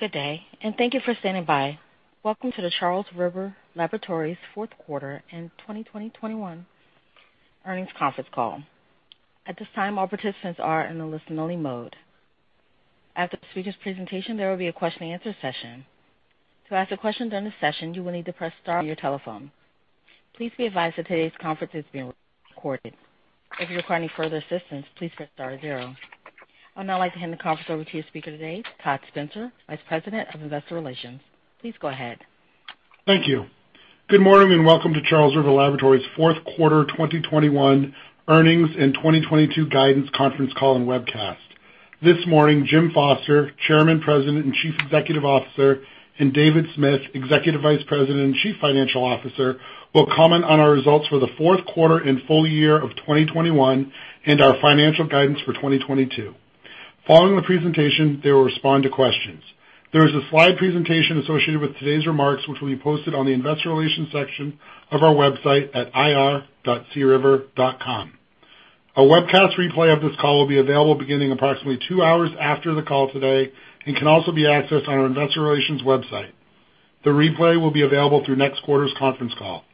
Good day, and thank you for standing by. Welcome to the Charles River Laboratories fourth quarter and 2021 earnings conference call. At this time, all participants are in a listen-only mode. After the speaker's presentation, there will be a question and answer session. To ask a question during the session, you will need to press star on your telephone. Please be advised that today's conference is being recorded. If you require any further assistance, please press star zero. I would now like to hand the conference over to your speaker today, Todd Spencer, Vice President of Investor Relations. Please go ahead. Thank you. Good morning, and welcome to Charles River Laboratories' fourth quarter 2021 earnings and 2022 guidance conference call and webcast. This morning, James Foster, Chairman, President, and Chief Executive Officer, and David Smith, Executive Vice President and Chief Financial Officer, will comment on our results for the fourth quarter and full year of 2021 and our financial guidance for 2022. Following the presentation, they will respond to questions. There is a slide presentation associated with today's remarks, which will be posted on the investor relations section of our website at ir.criver.com. A webcast replay of this call will be available beginning approximately two hours after the call today and can also be accessed on our investor relations website. The replay will be available through next quarter's conference call.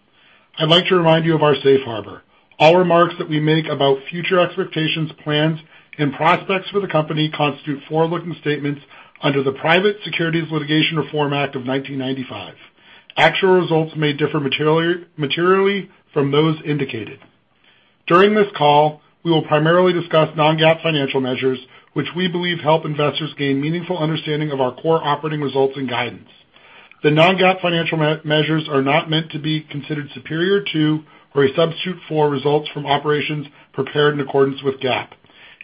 I'd like to remind you of our safe harbor. All remarks that we make about future expectations, plans, and prospects for the company constitute forward-looking statements under the Private Securities Litigation Reform Act of 1995. Actual results may differ materially from those indicated. During this call, we will primarily discuss non-GAAP financial measures, which we believe help investors gain meaningful understanding of our core operating results and guidance. The non-GAAP financial measures are not meant to be considered superior to or a substitute for results from operations prepared in accordance with GAAP.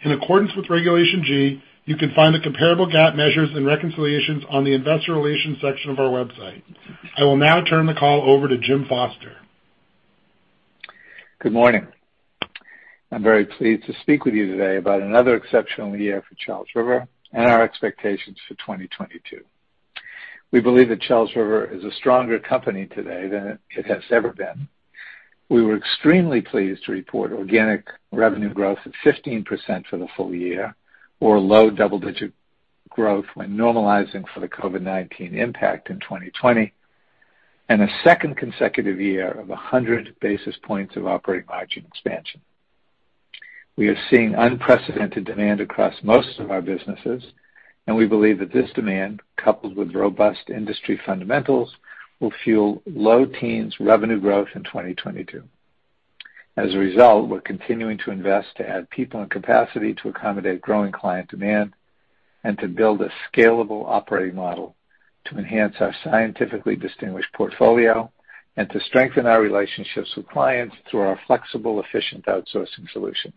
In accordance with Regulation G, you can find the comparable GAAP measures and reconciliations on the investor relations section of our website. I will now turn the call over to James Foster. Good morning. I'm very pleased to speak with you today about another exceptional year for Charles River and our expectations for 2022. We believe that Charles River is a stronger company today than it has ever been. We were extremely pleased to report organic revenue growth of 15% for the full year or low double-digit growth when normalizing for the COVID-19 impact in 2020, and a second consecutive year of 100 basis points of operating margin expansion. We are seeing unprecedented demand across most of our businesses, and we believe that this demand, coupled with robust industry fundamentals, will fuel low teens revenue growth in 2022. As a result, we're continuing to invest to add people and capacity to accommodate growing client demand and to build a scalable operating model to enhance our scientifically distinguished portfolio and to strengthen our relationships with clients through our flexible, efficient outsourcing solutions.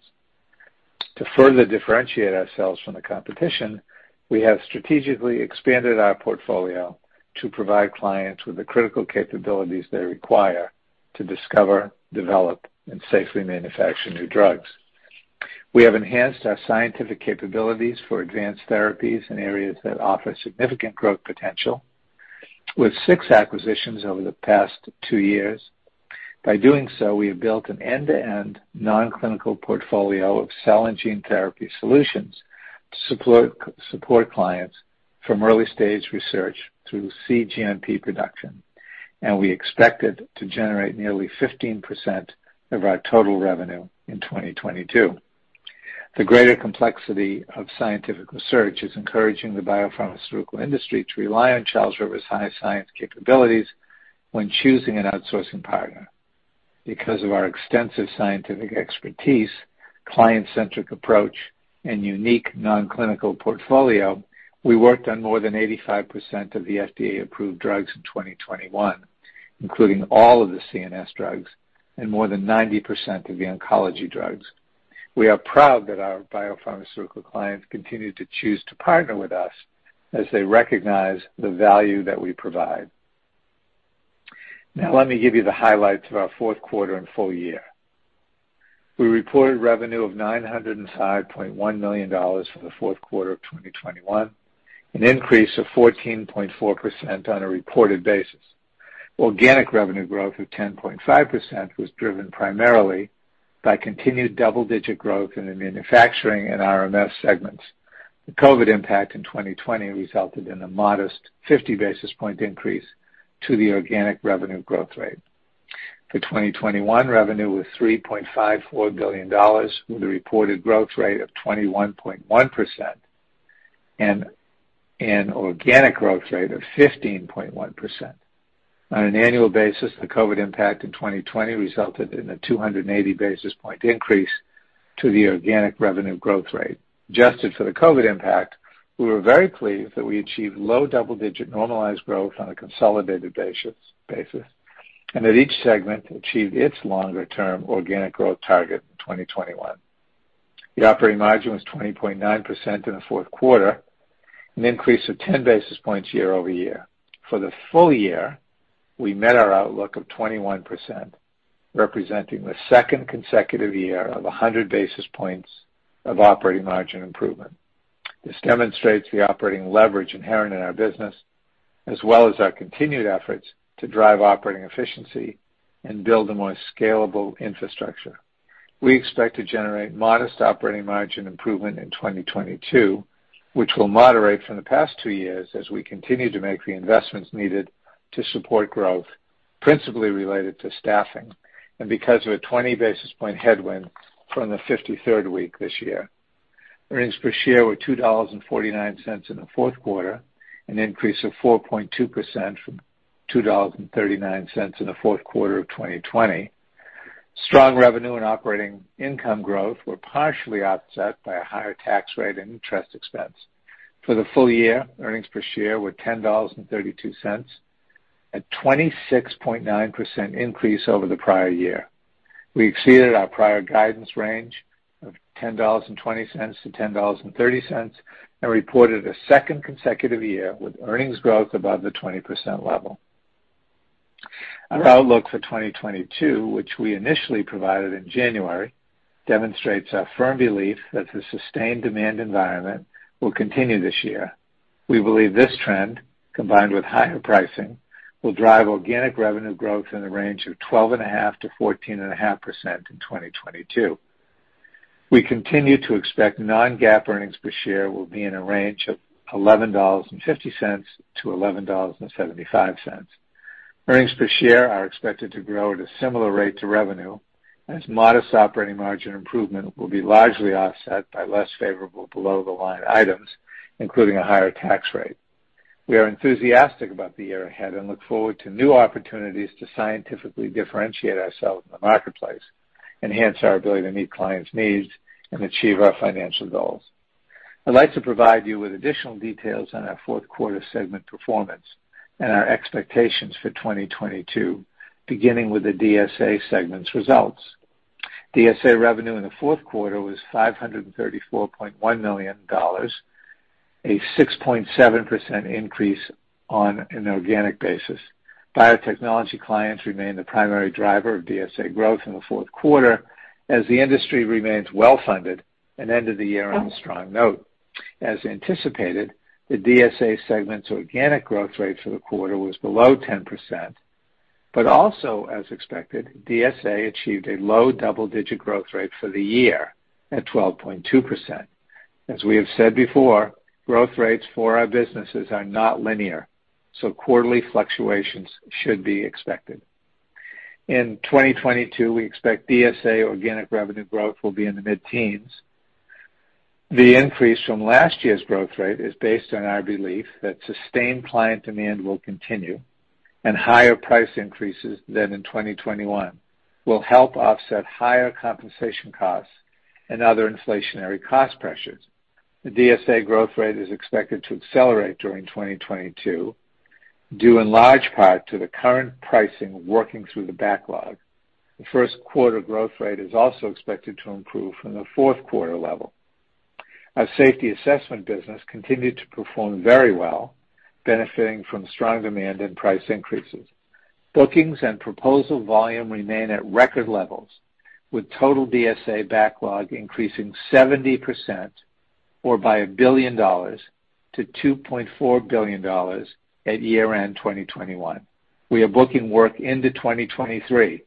To further differentiate ourselves from the competition, we have strategically expanded our portfolio to provide clients with the critical capabilities they require to discover, develop, and safely manufacture new drugs. We have enhanced our scientific capabilities for advanced therapies in areas that offer significant growth potential with 6 acquisitions over the past two years. By doing so, we have built an end-to-end non-clinical portfolio of cell and gene therapy solutions to support clients from early-stage research through cGMP production, and we expect it to generate nearly 15% of our total revenue in 2022. The greater complexity of scientific research is encouraging the biopharmaceutical industry to rely on Charles River's high science capabilities when choosing an outsourcing partner. Because of our extensive scientific expertise, client-centric approach, and unique non-clinical portfolio, we worked on more than 85% of the FDA-approved drugs in 2021, including all of the CNS drugs and more than 90% of the oncology drugs. We are proud that our biopharmaceutical clients continue to choose to partner with us as they recognize the value that we provide. Now, let me give you the highlights of our fourth quarter and full year. We reported revenue of $905.1 million for the fourth quarter of 2021, an increase of 14.4% on a reported basis. Organic revenue growth of 10.5% was driven primarily by continued double-digit growth in the Manufacturing and RMS segments. The COVID impact in 2020 resulted in a modest 50 basis points increase to the organic revenue growth rate. For 2021, revenue was $3.54 billion, with a reported growth rate of 21.1% and an organic growth rate of 15.1%. On an annual basis, the COVID impact in 2020 resulted in a 280 basis points increase to the organic revenue growth rate. Adjusted for the COVID impact, we were very pleased that we achieved low double-digit normalized growth on a consolidated basis, and that each segment achieved its longer-term organic growth target in 2021. The operating margin was 20.9% in the fourth quarter, an increase of 10 basis points year over year. For the full year, we met our outlook of 21%, representing the second consecutive year of 100 basis points of operating margin improvement. This demonstrates the operating leverage inherent in our business as well as our continued efforts to drive operating efficiency and build a more scalable infrastructure. We expect to generate modest operating margin improvement in 2022, which will moderate from the past two years as we continue to make the investments needed to support growth, principally related to staffing and because of a 20 basis point headwind from the 53rd week this year. Earnings per share were $2.49 in the fourth quarter, an increase of 4.2% from $2.39 in the fourth quarter of 2020. Strong revenue and operating income growth were partially offset by a higher tax rate and interest expense. For the full year, earnings per share were $10.32, a 26.9% increase over the prior year. We exceeded our prior guidance range of $10.20-$10.30, and reported a second consecutive year with earnings growth above the 20% level. Our outlook for 2022, which we initially provided in January, demonstrates our firm belief that the sustained demand environment will continue this year. We believe this trend, combined with higher pricing, will drive organic revenue growth in the range of 12.5%-14.5% in 2022. We continue to expect non-GAAP earnings per share will be in a range of $11.50-$11.75. Earnings per share are expected to grow at a similar rate to revenue as modest operating margin improvement will be largely offset by less favorable below-the-line items, including a higher tax rate. We are enthusiastic about the year ahead and look forward to new opportunities to scientifically differentiate ourselves in the marketplace, enhance our ability to meet clients' needs, and achieve our financial goals. I'd like to provide you with additional details on our fourth quarter segment performance and our expectations for 2022, beginning with the DSA segment's results. DSA revenue in the fourth quarter was $534.1 million, a 6.7% increase on an organic basis. Biotechnology clients remained the primary driver of DSA growth in the fourth quarter as the industry remains well-funded and ended the year on a strong note. As anticipated, the DSA segment's organic growth rate for the quarter was below 10%, but also, as expected, DSA achieved a low double-digit growth rate for the year at 12.2%. As we have said before, growth rates for our businesses are not linear, so quarterly fluctuations should be expected. In 2022, we expect DSA organic revenue growth will be in the mid-teens. The increase from last year's growth rate is based on our belief that sustained client demand will continue and higher price increases than in 2021 will help offset higher compensation costs and other inflationary cost pressures. The DSA growth rate is expected to accelerate during 2022, due in large part to the current pricing working through the backlog. The first quarter growth rate is also expected to improve from the fourth quarter level. Our safety assessment business continued to perform very well, benefiting from strong demand and price increases. Bookings and proposal volume remain at record levels, with total DSA backlog increasing 70% or by $1 billion to $2.4 billion at year-end 2021. We are booking work into 2023,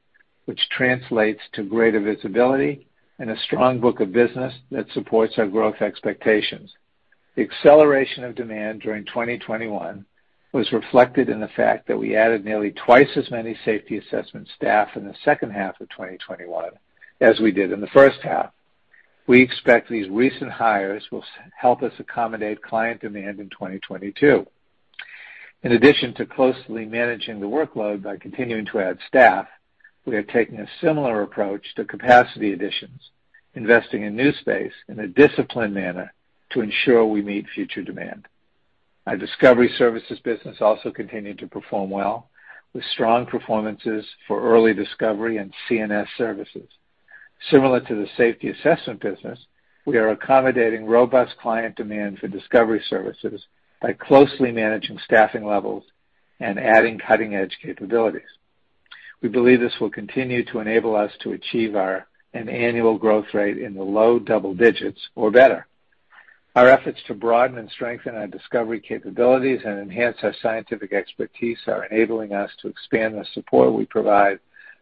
which translates to greater visibility and a strong book of business that supports our growth expectations. The acceleration of demand during 2021 was reflected in the fact that we added nearly twice as many safety assessment staff in the second half of 2021 as we did in the first half. We expect these recent hires will help us accommodate client demand in 2022. In addition to closely managing the workload by continuing to add staff, we are taking a similar approach to capacity additions, investing in new space in a disciplined manner to ensure we meet future demand. Our discovery services business also continued to perform well with strong performances for early discovery and CNS services. Similar to the safety assessment business, we are accommodating robust client demand for discovery services by closely managing staffing levels and adding cutting-edge capabilities. We believe this will continue to enable us to achieve our annual growth rate in the low double digits or better. Our efforts to broaden and strengthen our discovery capabilities and enhance our scientific expertise are enabling us to expand the support we provide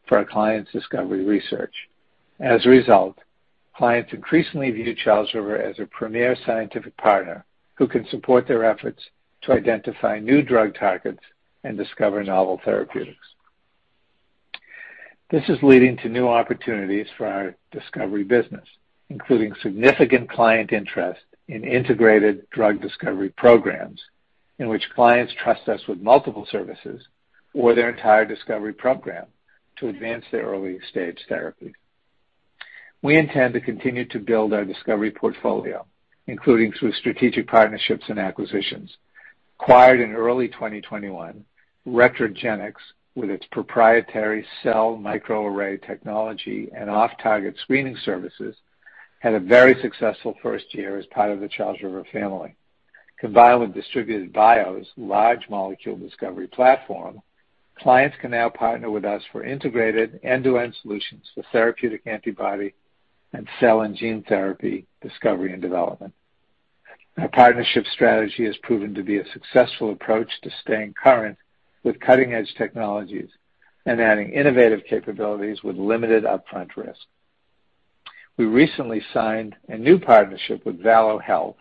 for our clients' discovery research. As a result, clients increasingly view Charles River as a premier scientific partner who can support their efforts to identify new drug targets and discover novel therapeutics. This is leading to new opportunities for our discovery business, including significant client interest in integrated drug discovery programs in which clients trust us with multiple services or their entire discovery program to advance their early-stage therapies. We intend to continue to build our discovery portfolio, including through strategic partnerships and acquisitions. Acquired in early 2021, Retrogenix, with its proprietary cell microarray technology and off-target screening services, had a very successful first year as part of the Charles River family. Combined with Distributed Bio's large molecule discovery platform, clients can now partner with us for integrated end-to-end solutions for therapeutic antibody and cell and gene therapy discovery and development. Our partnership strategy has proven to be a successful approach to staying current with cutting-edge technologies and adding innovative capabilities with limited upfront risk. We recently signed a new partnership with Valo Health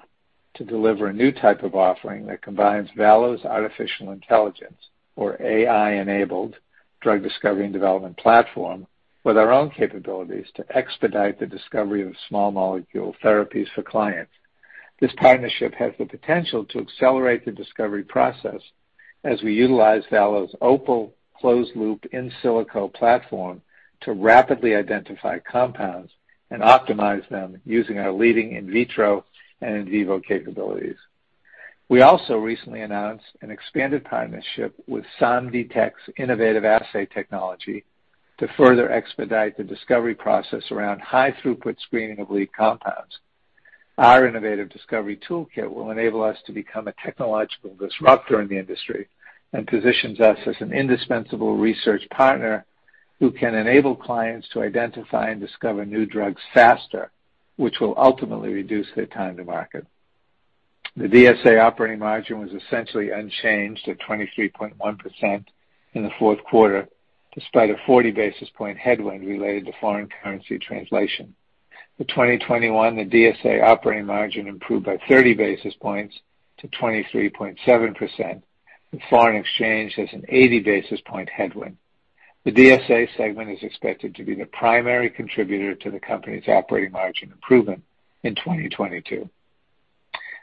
to deliver a new type of offering that combines Valo's artificial intelligence or AI-enabled drug discovery and development platform with our own capabilities to expedite the discovery of small molecule therapies for clients. This partnership has the potential to accelerate the discovery process as we utilize Valo's Opal closed loop in silico platform to rapidly identify compounds and optimize them using our leading in vitro and in vivo capabilities. We also recently announced an expanded partnership with SAMDI Tech's innovative assay technology to further expedite the discovery process around high-throughput screening of lead compounds. Our innovative discovery toolkit will enable us to become a technological disruptor in the industry and positions us as an indispensable research partner who can enable clients to identify and discover new drugs faster, which will ultimately reduce their time to market. The DSA operating margin was essentially unchanged at 23.1% in the fourth quarter, despite a 40 basis point headwind related to foreign currency translation. For 2021, the DSA operating margin improved by 30 basis points to 23.7%, with foreign exchange as an 80 basis point headwind. The DSA segment is expected to be the primary contributor to the company's operating margin improvement in 2022.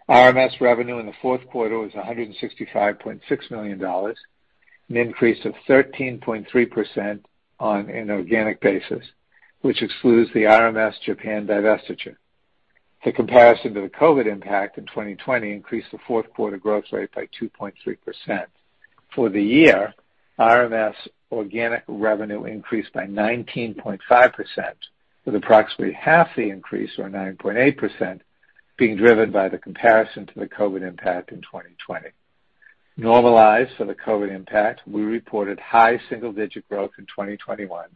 RMS revenue in the fourth quarter was $165.6 million, an increase of 13.3% on an organic basis, which excludes the RMS Japan divestiture. The comparison to the COVID impact in 2020 increased the fourth quarter growth rate by 2.3%. For the year, RMS organic revenue increased by 19.5%, with approximately half the increase, or 9.8%, being driven by the comparison to the COVID impact in 2020. Normalized for the COVID impact, we reported high single-digit growth in 2021,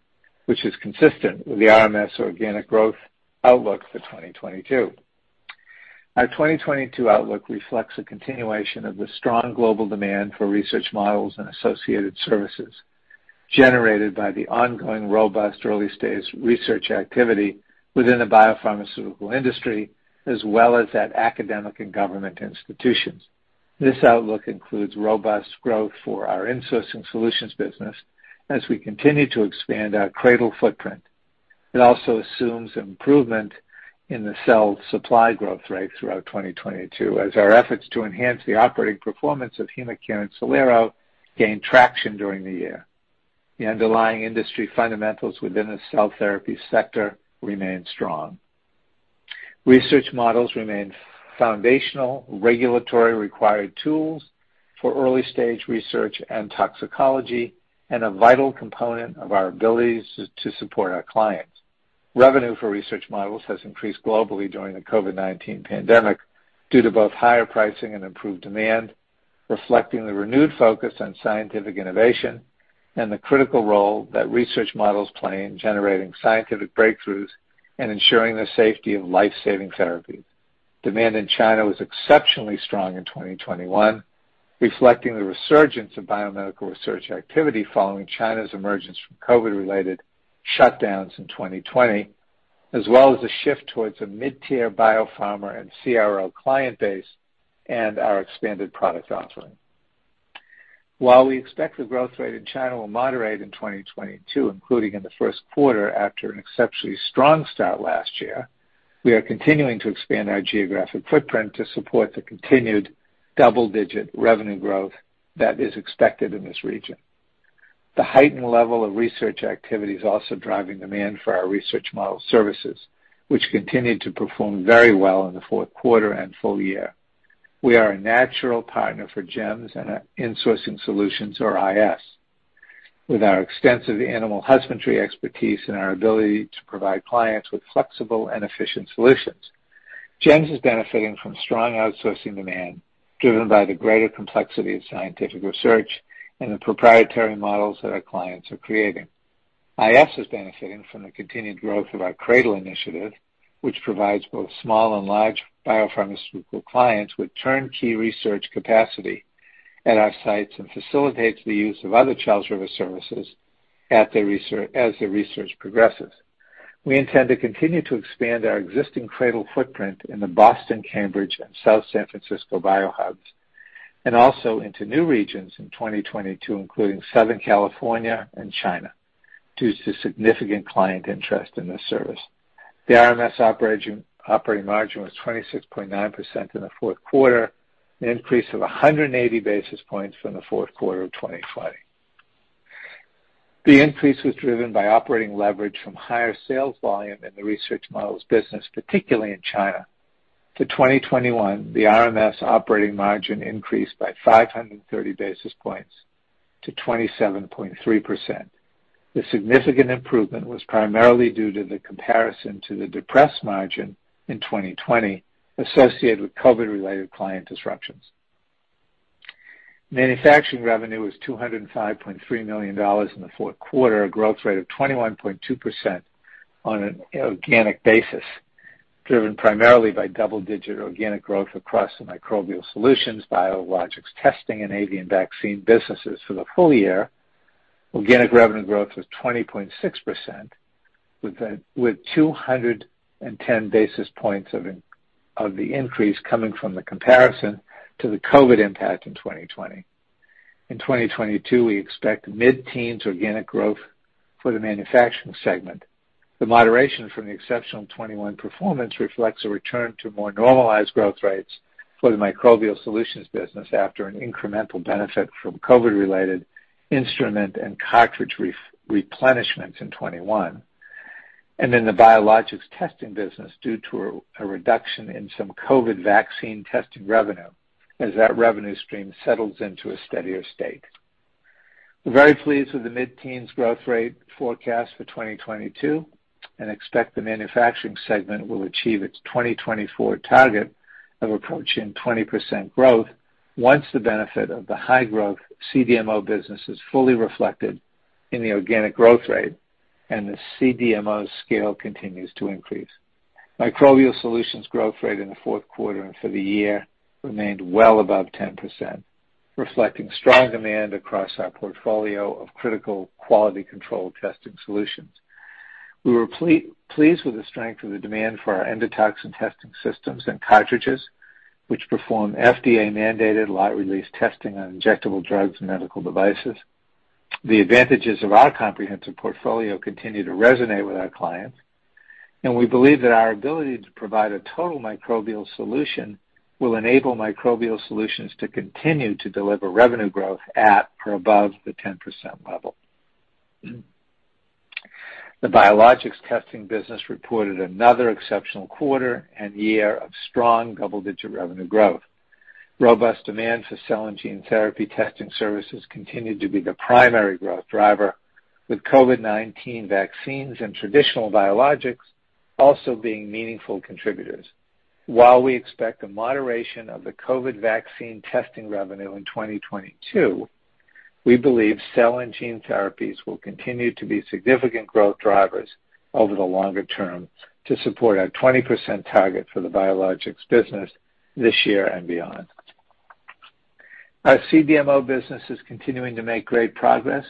which is consistent with the RMS organic growth outlook for 2022. Our 2022 outlook reflects a continuation of the strong global demand for research models and associated services generated by the ongoing robust early-stage research activity within the biopharmaceutical industry, as well as at academic and government institutions. This outlook includes robust growth for our insourcing solutions business as we continue to expand our CRADL footprint. It also assumes improvement in the cell supply growth rate throughout 2022 as our efforts to enhance the operating performance of HemaCare and Cellero gained traction during the year. The underlying industry fundamentals within the cell therapy sector remain strong. Research models remain foundational regulatory required tools for early-stage research and toxicology, and a vital component of our abilities to support our clients. Revenue for research models has increased globally during the COVID-19 pandemic due to both higher pricing and improved demand, reflecting the renewed focus on scientific innovation and the critical role that research models play in generating scientific breakthroughs and ensuring the safety of life-saving therapies. Demand in China was exceptionally strong in 2021, reflecting the resurgence of biomedical research activity following China's emergence from COVID-related shutdowns in 2020, as well as a shift towards a mid-tier biopharma and CRO client base and our expanded product offering. While we expect the growth rate in China will moderate in 2022, including in the first quarter after an exceptionally strong start last year, we are continuing to expand our geographic footprint to support the continued double-digit revenue growth that is expected in this region. The heightened level of research activity is also driving demand for our research model services, which continued to perform very well in the fourth quarter and full year. We are a natural partner for GEMS and our insourcing solutions or IS, with our extensive animal husbandry expertise and our ability to provide clients with flexible and efficient solutions. GEMS is benefiting from strong outsourcing demand driven by the greater complexity of scientific research and the proprietary models that our clients are creating. IS is benefiting from the continued growth of our CRADL initiative, which provides both small and large biopharmaceutical clients with turnkey research capacity at our sites and facilitates the use of other Charles River services at the research as the research progresses. We intend to continue to expand our existing CRADL footprint in the Boston, Cambridge, and South San Francisco biohubs, and also into new regions in 2022, including Southern California and China, due to significant client interest in this service. The RMS operating margin was 26.9% in the fourth quarter, an increase of 180 basis points from the fourth quarter of 2020. The increase was driven by operating leverage from higher sales volume in the research models business, particularly in China. In 2021, the RMS operating margin increased by 530 basis points to 27.3%. The significant improvement was primarily due to the comparison to the depressed margin in 2020 associated with COVID-related client disruptions. Manufacturing revenue was $205.3 million in the fourth quarter, a growth rate of 21.2% on an organic basis, driven primarily by double-digit organic growth across the microbial solutions, biologics testing, and avian vaccine businesses. For the full year, organic revenue growth was 20.6%, with 210 basis points of the increase coming from the comparison to the COVID impact in 2020. In 2022, we expect mid-teens organic growth for the manufacturing segment. The moderation from the exceptional 2021 performance reflects a return to more normalized growth rates for the microbial solutions business after an incremental benefit from COVID-related instrument and cartridge ref-replenishment in 2021, and in the biologics testing business due to a reduction in some COVID vaccine testing revenue as that revenue stream settles into a steadier state. We're very pleased with the mid-teens growth rate forecast for 2022 and expect the manufacturing segment will achieve its 2024 target of approaching 20% growth once the benefit of the high-growth CDMO business is fully reflected in the organic growth rate and the CDMO scale continues to increase. Microbial solutions growth rate in the fourth quarter and for the year remained well above 10%, reflecting strong demand across our portfolio of critical quality control testing solutions. We were pleased with the strength of the demand for our endotoxin testing systems and cartridges, which perform FDA-mandated lot release testing on injectable drugs and medical devices. The advantages of our comprehensive portfolio continue to resonate with our clients, and we believe that our ability to provide a total microbial solution will enable microbial solutions to continue to deliver revenue growth at or above the 10% level. The biologics testing business reported another exceptional quarter and year of strong double-digit revenue growth. Robust demand for cell and gene therapy testing services continued to be the primary growth driver, with COVID-19 vaccines and traditional biologics also being meaningful contributors. While we expect a moderation of the COVID vaccine testing revenue in 2022, we believe cell and gene therapies will continue to be significant growth drivers over the longer term to support our 20% target for the biologics business this year and beyond. Our CDMO business is continuing to make great progress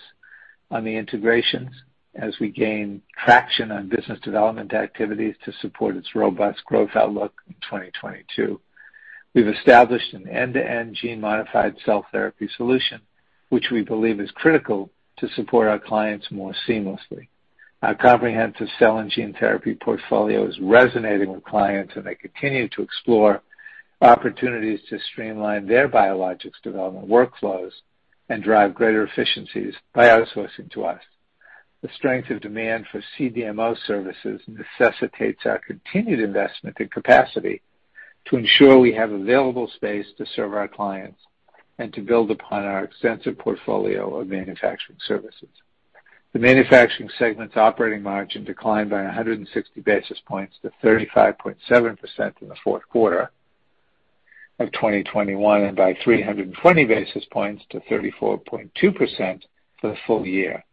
on the integrations as we gain traction on business development activities to support its robust growth outlook in 2022. We've established an end-to-end gene modified cell therapy solution, which we believe is critical to support our clients more seamlessly. Our comprehensive cell and gene therapy portfolio is resonating with clients, and they continue to explore opportunities to streamline their biologics development workflows and drive greater efficiencies by outsourcing to us. The strength of demand for CDMO services necessitates our continued investment in capacity to ensure we have available space to serve our clients and to build upon our extensive portfolio of manufacturing services. The manufacturing segment's operating margin declined by 160 basis points to 35.7% in the fourth quarter of 2021 and by 320 basis points to 34.2% for the full year.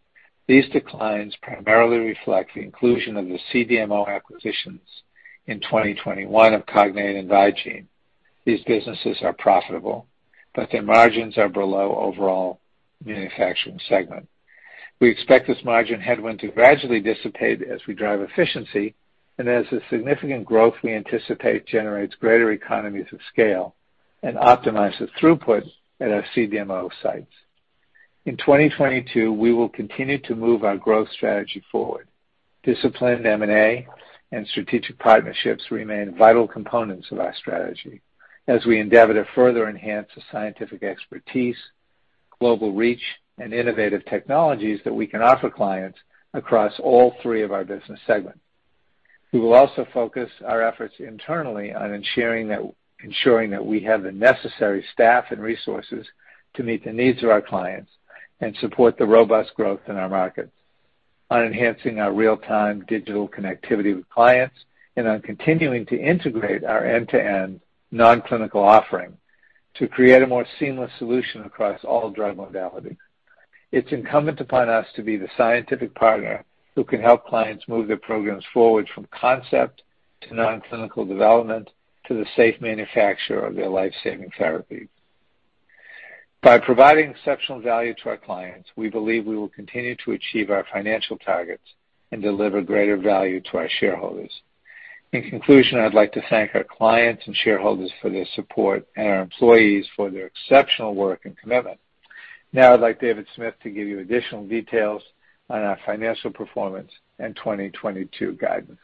These declines primarily reflect the inclusion of the CDMO acquisitions in 2021 of Cognate and Vigene. These businesses are profitable, but their margins are below overall manufacturing segment. We expect this margin headwind to gradually dissipate as we drive efficiency and as the significant growth we anticipate generates greater economies of scale and optimize the throughput at our CDMO sites. In 2022, we will continue to move our growth strategy forward. Disciplined M&A and strategic partnerships remain vital components of our strategy as we endeavor to further enhance the scientific expertise, global reach, and innovative technologies that we can offer clients across all three of our business segments. We will also focus our efforts internally on ensuring that we have the necessary staff and resources to meet the needs of our clients and support the robust growth in our markets, on enhancing our real-time digital connectivity with clients, and on continuing to integrate our end-to-end non-clinical offering to create a more seamless solution across all drug modalities. It's incumbent upon us to be the scientific partner who can help clients move their programs forward from concept to non-clinical development to the safe manufacture of their life-saving therapy. By providing exceptional value to our clients, we believe we will continue to achieve our financial targets and deliver greater value to our shareholders. In conclusion, I'd like to thank our clients and shareholders for their support and our employees for their exceptional work and commitment. Now I'd like David R. Smith to give you additional details on our financial performance and 2022 guidance.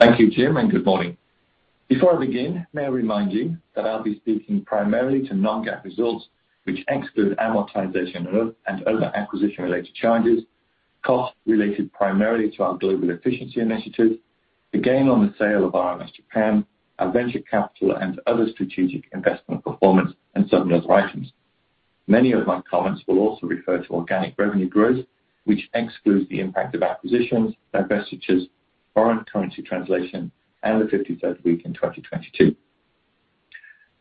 Thank you, James, and good morning. Before I begin, may I remind you that I'll be speaking primarily to non-GAAP results, which exclude amortization and other acquisition-related charges, costs related primarily to our global efficiency initiatives, the gain on the sale of RMS Japan, our venture capital and other strategic investment performance, and certain other items. Many of my comments will also refer to organic revenue growth, which excludes the impact of acquisitions, divestitures, foreign currency translation, and the 53rd week in 2022.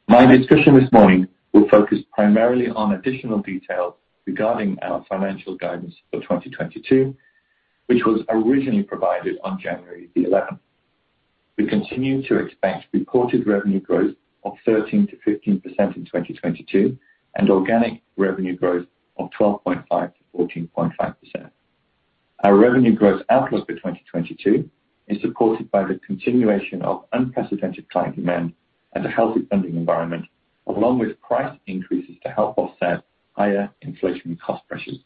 My discussion this morning will focus primarily on additional details regarding our financial guidance for 2022, which was originally provided on January 11. We continue to expect reported revenue growth of 13%-15% in 2022 and organic revenue growth of 12.5%-14.5%. Our revenue growth outlook for 2022 is supported by the continuation of unprecedented client demand and a healthy funding environment, along with price increases to help offset higher inflation cost pressures.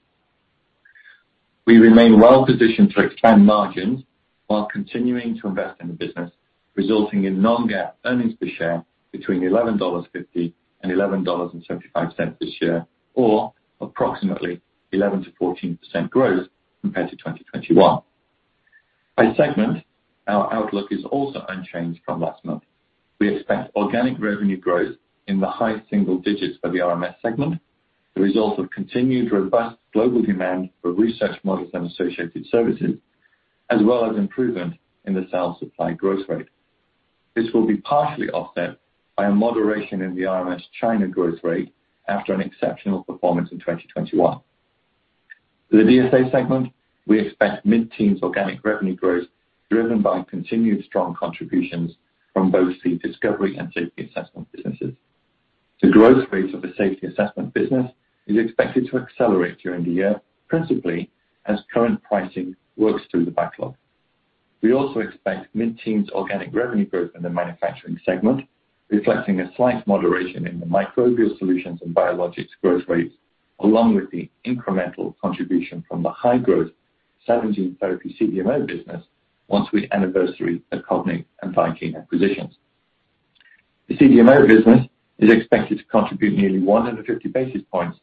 We remain well-positioned to expand margins while continuing to invest in the business, resulting in non-GAAP earnings per share between $11.50 and $11.75 this year, or approximately 11%-14% growth compared to 2021. By segment, our outlook is also unchanged from last month. We expect organic revenue growth in the high single digits for the RMS segment, the result of continued robust global demand for research models and associated services, as well as improvement in the cell supply growth rate. This will be partially offset by a moderation in the RMS China growth rate after an exceptional performance in 2021. For the DSA segment, we expect mid-teens organic revenue growth driven by continued strong contributions from both the discovery and safety assessment businesses. The growth rate of the safety assessment business is expected to accelerate during the year, principally as current pricing works through the backlog. We also expect mid-teens organic revenue growth in the manufacturing segment, reflecting a slight moderation in the microbial solutions and biologics growth rates, along with the incremental contribution from the high-growth cell and gene therapy CDMO business once we anniversary the Cognate and Vigene acquisitions. The CDMO business is expected to contribute nearly 150 basis points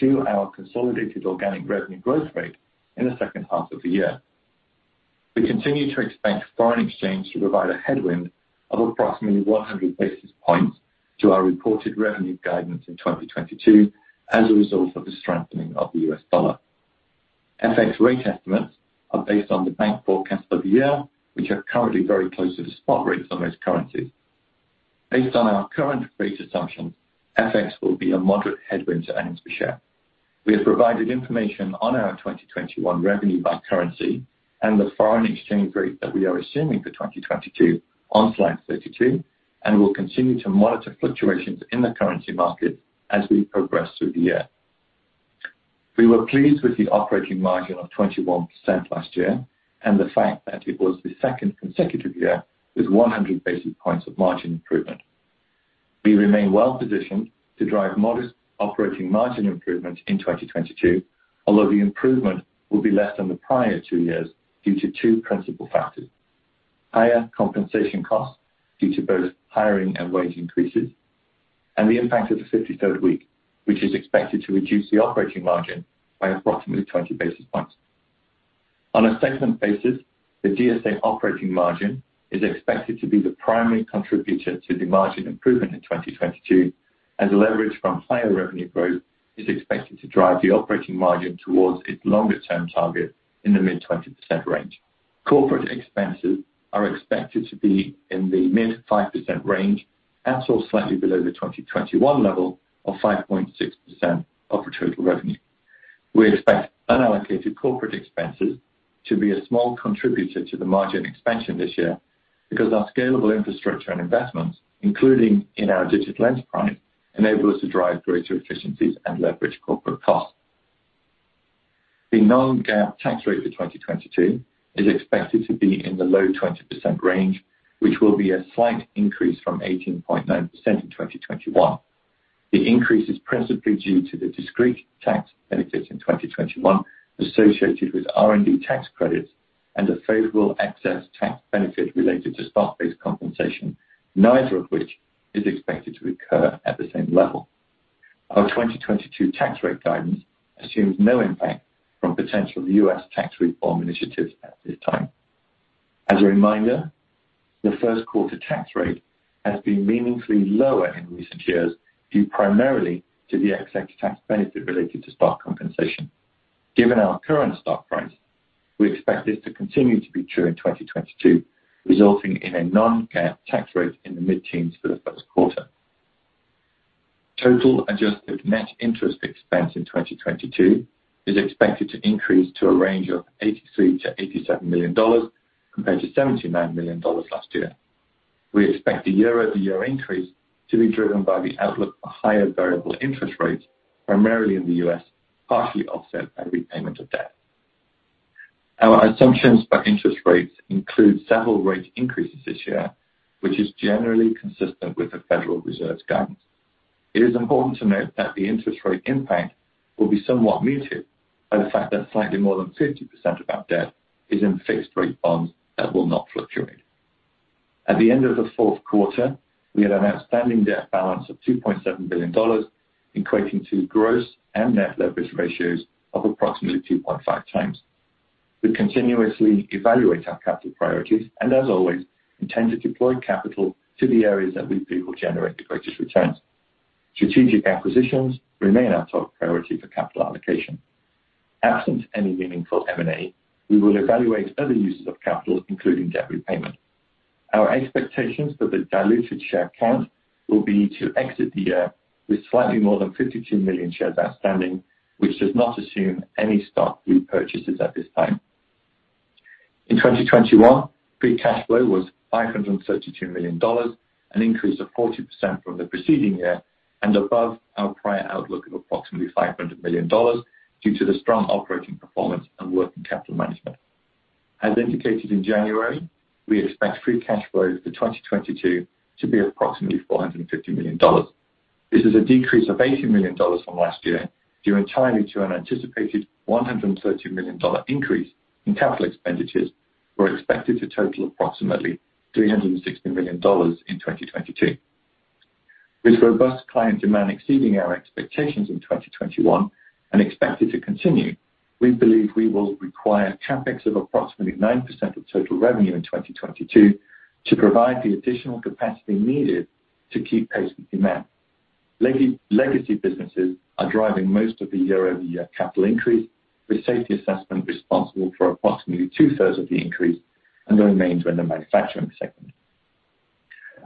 to our consolidated organic revenue growth rate in the second half of the year. We continue to expect foreign exchange to provide a headwind of approximately 100 basis points to our reported revenue guidance in 2022 as a result of the strengthening of the U.S. dollar. FX rate estimates are based on the bank forecast of the year, which are currently very close to the spot rates on those currencies. Based on our current rate assumptions, FX will be a moderate headwind to earnings per share. We have provided information on our 2021 revenue by currency and the foreign exchange rate that we are assuming for 2022 on slide 32, and we'll continue to monitor fluctuations in the currency market as we progress through the year. We were pleased with the operating margin of 21% last year and the fact that it was the second consecutive year with 100 basis points of margin improvement. We remain well-positioned to drive modest operating margin improvement in 2022, although the improvement will be less than the prior two years due to two principal factors, higher compensation costs due to both hiring and wage increases, and the impact of the fifty-third week, which is expected to reduce the operating margin by approximately 20 basis points. On a segment basis, the DSA operating margin is expected to be the primary contributor to the margin improvement in 2022, as leverage from higher revenue growth is expected to drive the operating margin towards its longer-term target in the mid-20% range. Corporate expenses are expected to be in the mid-5% range, at or slightly below the 2021 level of 5.6% of the total revenue. We expect unallocated corporate expenses to be a small contributor to the margin expansion this year because our scalable infrastructure and investments, including in our digital enterprise, enable us to drive greater efficiencies and leverage corporate costs. The non-GAAP tax rate for 2022 is expected to be in the low 20% range, which will be a slight increase from 18.9% in 2021. The increase is principally due to the discrete tax benefits in 2021 associated with R&D tax credits and a favorable excess tax benefit related to stock-based compensation, neither of which is expected to recur at the same level. Our 2022 tax rate guidance assumes no impact from potential U.S. tax reform initiatives at this time. As a reminder, the first quarter tax rate has been meaningfully lower in recent years, due primarily to the excess tax benefit related to stock compensation. Given our current stock price, we expect this to continue to be true in 2022, resulting in a non-GAAP tax rate in the mid-teens for the first quarter. Total adjusted net interest expense in 2022 is expected to increase to a range of $83 million-$87 million, compared to $79 million last year. We expect the year-over-year increase to be driven by the outlook for higher variable interest rates, primarily in the U.S., partly offset by repayment of debt. Our assumptions for interest rates include several rate increases this year, which is generally consistent with the Federal Reserve's guidance. It is important to note that the interest rate impact will be somewhat muted by the fact that slightly more than 50% of our debt is in fixed-rate bonds that will not fluctuate. At the end of the fourth quarter, we had an outstanding debt balance of $2.7 billion, equating to gross and net leverage ratios of approximately 2.5 times. We continuously evaluate our capital priorities and as always, intend to deploy capital to the areas that we believe will generate the greatest returns. Strategic acquisitions remain our top priority for capital allocation. Absent any meaningful M&A, we will evaluate other uses of capital, including debt repayment. Our expectations for the diluted share count will be to exit the year with slightly more than 52 million shares outstanding, which does not assume any stock repurchases at this time. In 2021, free cash flow was $532 million, an increase of 40% from the preceding year and above our prior outlook of approximately $500 million due to the strong operating performance and working capital management. As indicated in January, we expect free cash flow for 2022 to be approximately $450 million. This is a decrease of $80 million from last year due entirely to an anticipated $130 million dollar increase in capital expenditures. We're expected to total approximately $360 million in 2022. With robust client demand exceeding our expectations in 2021 and expected to continue, we believe we will require CapEx of approximately 9% of total revenue in 2022 to provide the additional capacity needed to keep pace with demand. Legacy businesses are driving most of the year-over-year capital increase, with safety assessment responsible for approximately two-thirds of the increase and the remainder in the manufacturing segment.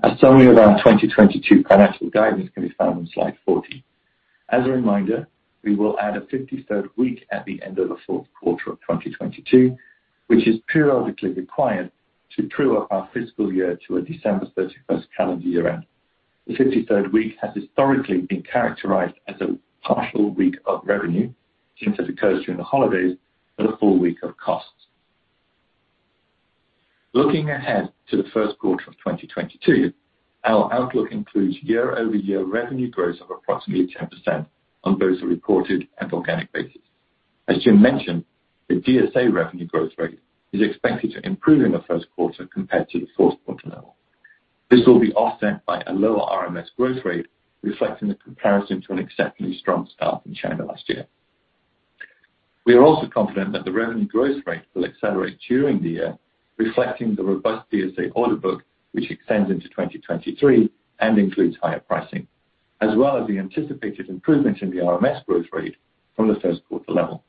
A summary of our 2022 financial guidance can be found on slide 40. As a reminder, we will add a 53rd week at the end of the fourth quarter of 2022, which is periodically required to true up our fiscal year to a December 31 calendar year-end. The 53rd week has historically been characterized as a partial week of revenue since it occurs during the holidays, but a full week of costs. Looking ahead to the first quarter of 2022, our outlook includes year-over-year revenue growth of approximately 10% on both a reported and organic basis. As James mentioned, the DSA revenue growth rate is expected to improve in the first quarter compared to the fourth quarter level. This will be offset by a lower RMS growth rate, reflecting the comparison to an exceptionally strong start in China last year. We are also confident that the revenue growth rate will accelerate during the year, reflecting the robust DSA order book, which extends into 2023 and includes higher pricing, as well as the anticipated improvement in the RMS growth rate from the first quarter level.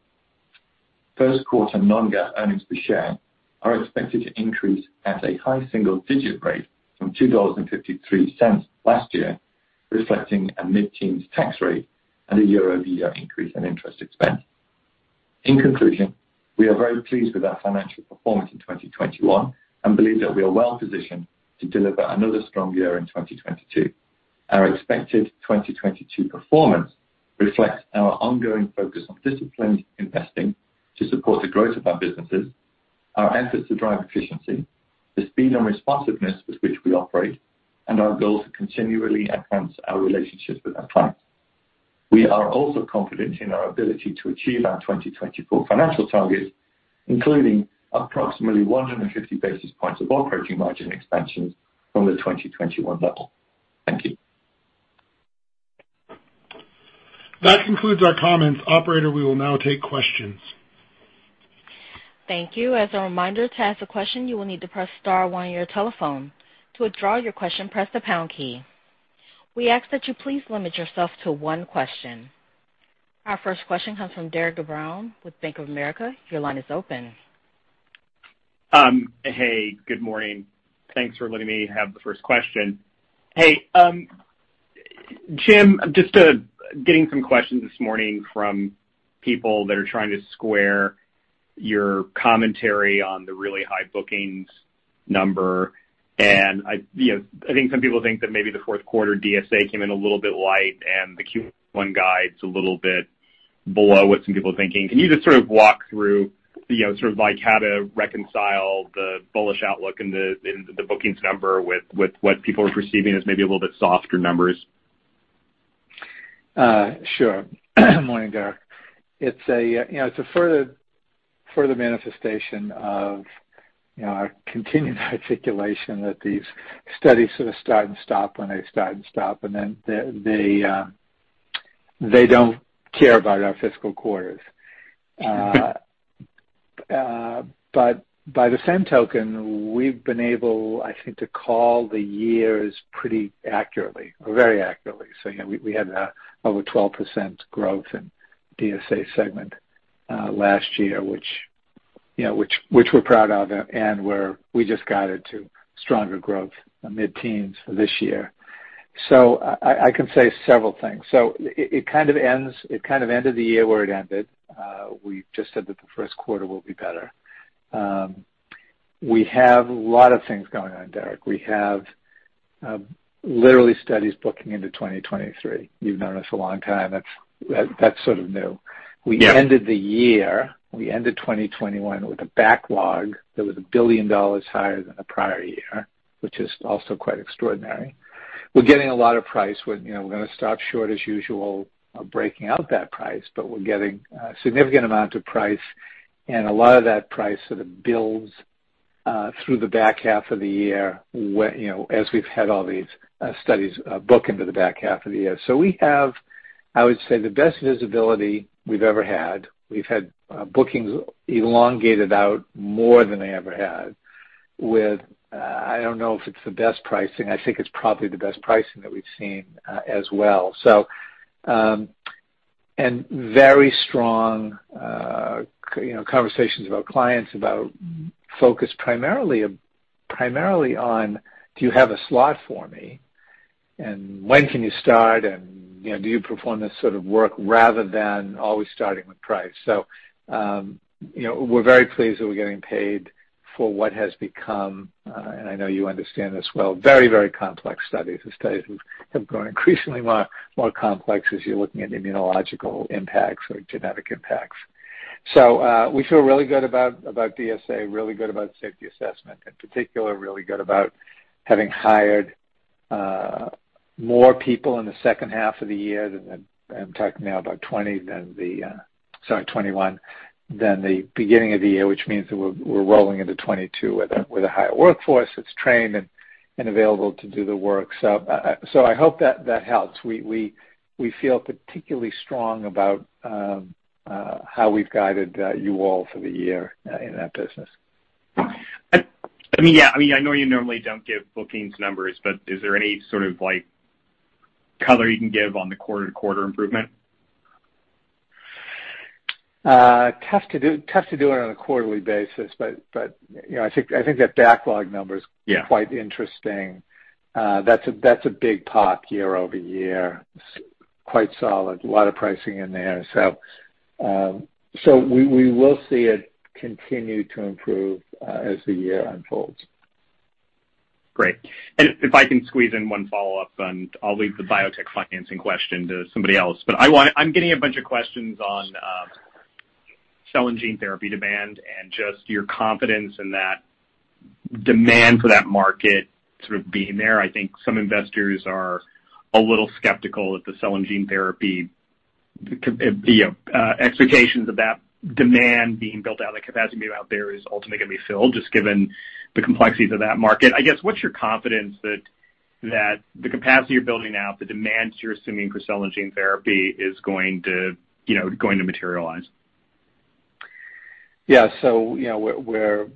First quarter non-GAAP earnings per share are expected to increase at a high single-digit rate from $2.53 last year, reflecting a mid-teens tax rate and a year-over-year increase in interest expense. In conclusion, we are very pleased with our financial performance in 2021 and believe that we are well-positioned to deliver another strong year in 2022. Our expected 2022 performance reflects our ongoing focus on disciplined investing to support the growth of our businesses, our efforts to drive efficiency, the speed and responsiveness with which we operate, and our goal to continually enhance our relationships with our clients. We are also confident in our ability to achieve our 2024 financial targets, including approximately 150 basis points of operating margin expansion from the 2021 level. Thank you. That concludes our comments. Operator, we will now take questions. Thank you. As a reminder, to ask a question, you will need to press star one on your telephone. To withdraw your question, press the pound key. We ask that you please limit yourself to one question. Our first question comes from Derik De Bruin with Bank of America. Your line is open. Hey, good morning. Thanks for letting me have the first question. Hey, James, just getting some questions this morning from people that are trying to square your commentary on the really high bookings number. I, you know, I think some people think that maybe the fourth quarter DSA came in a little bit light and the Q1 guide's a little bit below what some people are thinking. Can you just sort of walk through, you know, sort of like how to reconcile the bullish outlook in the, in the bookings number with what people are perceiving as maybe a little bit softer numbers? Sure. Morning, Derik. It's a you know, it's a further manifestation of you know, our continued articulation that these studies sort of start and stop when they start and stop, and then they they don't care about our fiscal quarters. By the same token, we've been able, I think, to call the years pretty accurately or very accurately. You know, we had over 12% growth in DSA segment last year, which you know, we're proud of and where we just guided to stronger growth in mid-teens% for this year. I can say several things. It kind of ends, it kind of ended the year where it ended. We just said that the first quarter will be better. We have a lot of things going on, Derik. We have literally studies booking into 2023. You've known us a long time. That's sort of new. Yeah. We ended 2021 with a backlog that was $1 billion higher than the prior year, which is also quite extraordinary. We're getting a lot of price when, you know, we're gonna stop short as usual of breaking out that price, but we're getting a significant amount of price, and a lot of that price sort of builds- Through the back half of the year, when you know, as we've had all these studies booked into the back half of the year. We have, I would say, the best visibility we've ever had. We've had bookings elongated out more than they ever had with, I don't know if it's the best pricing. I think it's probably the best pricing that we've seen, as well. Very strong you know, conversations about clients, about focused primarily on do you have a slot for me, and when can you start, and, you know, do you perform this sort of work, rather than always starting with price. You know, we're very pleased that we're getting paid for what has become, and I know you understand this well, very, very complex studies. The studies have grown increasingly more complex as you're looking at immunological impacts or genetic impacts. We feel really good about DSA, really good about the safety assessment. In particular, really good about having hired more people in the second half of the year than the beginning of 2021, which means that we're rolling into 2022 with a higher workforce that's trained and available to do the work. I hope that helps. We feel particularly strong about how we've guided you all for the year in that business. I mean, yeah, I mean, I know you normally don't give bookings numbers, but is there any sort of like color you can give on the quarter-to-quarter improvement? Tough to do it on a quarterly basis. You know, I think that backlog number Yeah is quite interesting. That's a big pop year-over-year. Quite solid. A lot of pricing in there. We will see it continue to improve as the year unfolds. Great. If I can squeeze in one follow-up, I'll leave the biotech financing question to somebody else. I want. I'm getting a bunch of questions on cell and gene therapy demand and just your confidence in that demand for that market sort of being there. I think some investors are a little skeptical that the cell and gene therapy, you know, expectations of that demand being built out, the capacity being out there is ultimately gonna be filled, just given the complexities of that market. I guess, what's your confidence that the capacity you're building out, the demands you're assuming for cell and gene therapy is going to, you know, going to materialize? Yeah. You know, we're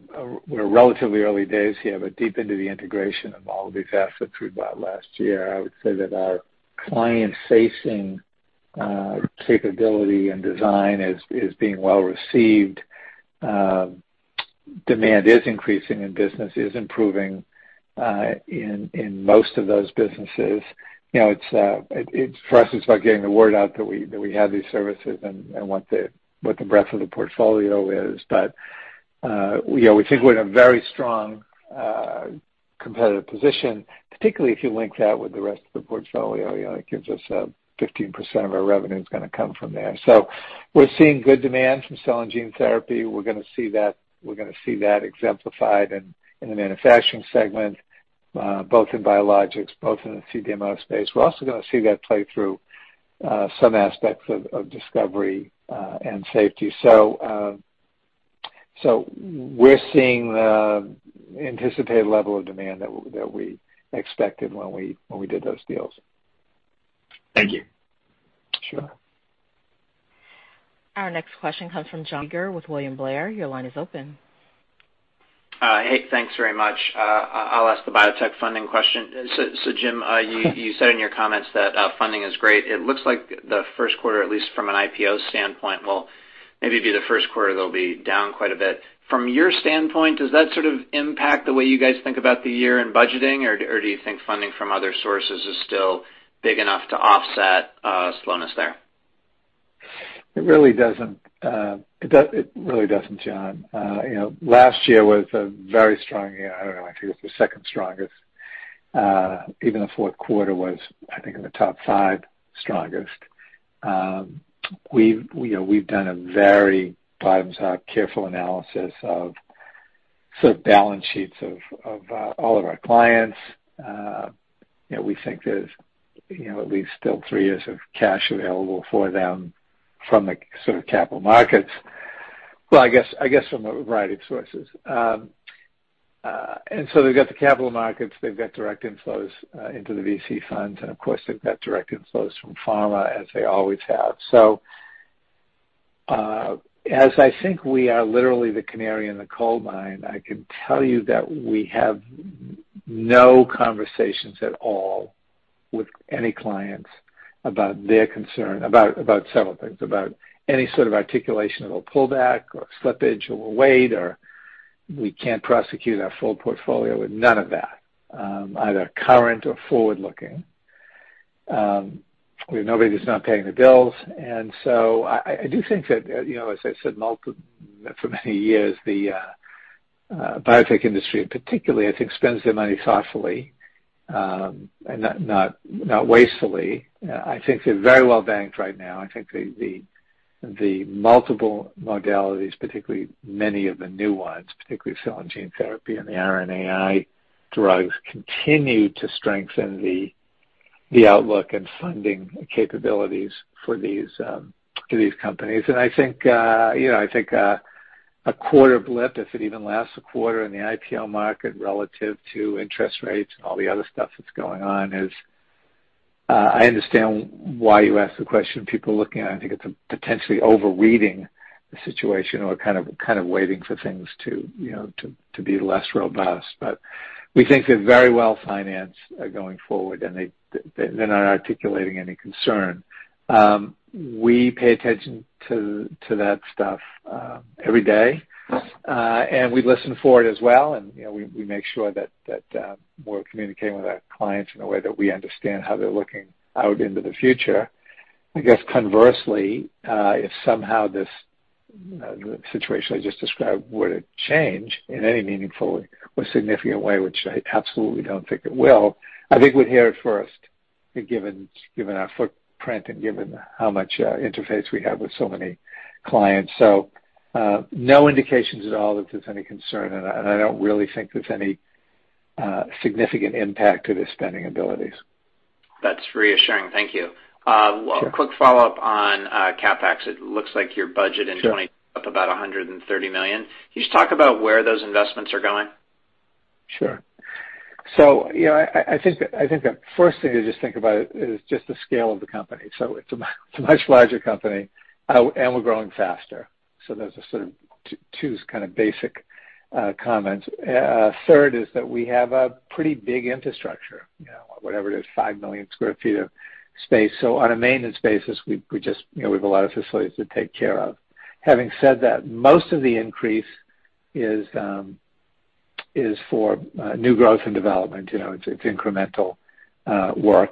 relatively early days here, but deep into the integration of all of these assets we bought last year. I would say that our client-facing capability and design is being well received. Demand is increasing and business is improving in most of those businesses. You know, it's for us, it's about getting the word out that we have these services and what the breadth of the portfolio is. You know, we think we're in a very strong competitive position, particularly if you link that with the rest of the portfolio. You know, it gives us 15% of our revenue is gonna come from there. We're seeing good demand from cell and gene therapy. We're gonna see that exemplified in the manufacturing segment, both in biologics, both in the CDMO space. We're also gonna see that play through some aspects of discovery and safety. We're seeing the anticipated level of demand that we expected when we did those deals. Thank you. Sure. Our next question comes from John Kreger with William Blair. Your line is open. Hey, thanks very much. I'll ask the biotech funding question. James, you said in your comments that funding is great. It looks like the first quarter, at least from an IPO standpoint, will maybe be the first quarter they'll be down quite a bit. From your standpoint, does that sort of impact the way you guys think about the year in budgeting, or do you think funding from other sources is still big enough to offset slowness there? It really doesn't, John. You know, last year was a very strong year. I don't know, I think it was the second strongest. Even the fourth quarter was, I think, in the top five strongest. You know, we've done a very bottoms-up careful analysis of sort of balance sheets of all of our clients. You know, we think there's at least still three years of cash available for them from the sort of capital markets. Well, I guess from a variety of sources. They've got the capital markets, they've got direct inflows into the VC funds, and of course, they've got direct inflows from pharma, as they always have. As I think we are literally the canary in the coal mine, I can tell you that we have no conversations at all with any clients about their concern about several things, about any sort of articulation of a pullback or slippage or a wait, or we can't prosecute our full portfolio, none of that, either current or forward-looking. We have nobody that's not paying the bills. I do think that, you know, as I said for many years, the biotech industry in particular I think spends their money thoughtfully, and not wastefully. I think they're very well banked right now. I think the multiple modalities, particularly many of the new ones, particularly cell and gene therapy and the RNAi drugs, continue to strengthen the outlook and funding capabilities for these to these companies. I think you know I think a quarter blip, if it even lasts a quarter in the IPO market relative to interest rates and all the other stuff that's going on is. I understand why you ask the question people are looking at. I think it's potentially overreading the situation or kind of waiting for things to you know to be less robust. We think they're very well financed going forward, and they're not articulating any concern. We pay attention to that stuff every day. We listen for it as well. You know, we make sure that we're communicating with our clients in a way that we understand how they're looking out into the future. I guess conversely, if somehow this situation I just described were to change in any meaningful or significant way, which I absolutely don't think it will, I think we'd hear it first, given our footprint and given how much interface we have with so many clients. No indications at all that there's any concern, and I don't really think there's any significant impact to their spending abilities. That's reassuring. Thank you. Sure. Quick follow-up on CapEx. It looks like your budget in- Sure up about $130 million. Can you just talk about where those investments are going? Sure. You know, I think the first thing to just think about is just the scale of the company. It's a much larger company, and we're growing faster. Those are sort of two kind of basic comments. Third is that we have a pretty big infrastructure, you know, whatever it is, 5 million sq ft of space. On a maintenance basis, we just, you know, we have a lot of facilities to take care of. Having said that, most of the increase is for new growth and development. You know, it's incremental work,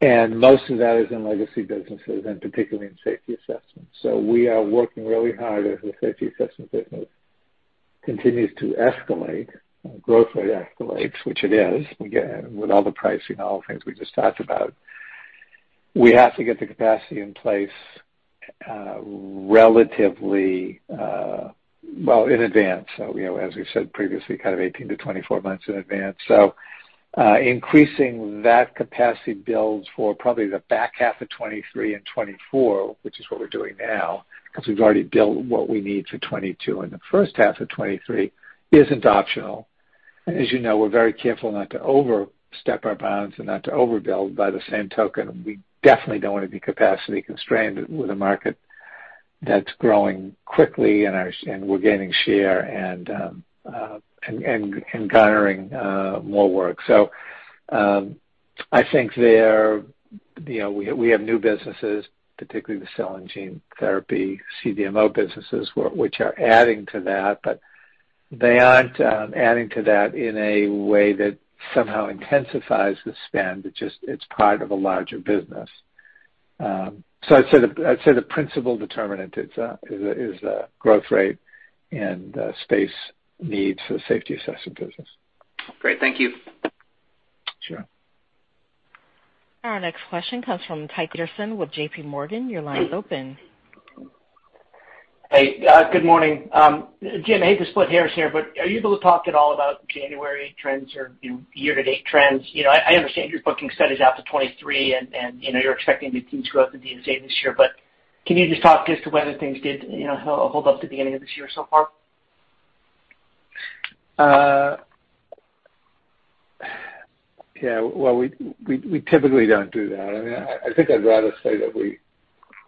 and most of that is in legacy businesses and particularly in Safety Assessment. We are working really hard as the safety assessment business continues to escalate, growth rate escalates, which it is, again, with all the pricing, all the things we just talked about. We have to get the capacity in place, relatively, well in advance. You know, as we said previously, kind of 18-24 months in advance. Increasing that capacity builds for probably the back half of 2023 and 2024, which is what we're doing now, 'cause we've already built what we need for 2022, and the first half of 2023 isn't optional. As you know, we're very careful not to overstep our bounds and not to overbuild by the same token. We definitely don't wanna be capacity constrained with a market that's growing quickly, and we're gaining share and garnering more work. I think there, you know, we have new businesses, particularly the cell and gene therapy CDMO businesses, which are adding to that, but they aren't adding to that in a way that somehow intensifies the spend. It's just, it's part of a larger business. I'd say the principal determinant is a growth rate and space needs for the safety assessment business. Great. Thank you. Sure. Our next question comes from Tycho Peterson with JPMorgan. Your line is open. Hey, good morning. James, I hate to split hairs here, but are you able to talk at all about January trends or, you know, year-to-date trends? You know, I understand your booking studies out to 2023 and, you know, you're expecting the teams to grow at the DSA this year. Can you just talk as to whether things did, you know, hold up to the beginning of this year so far? Well, we typically don't do that. I mean, I think I'd rather say that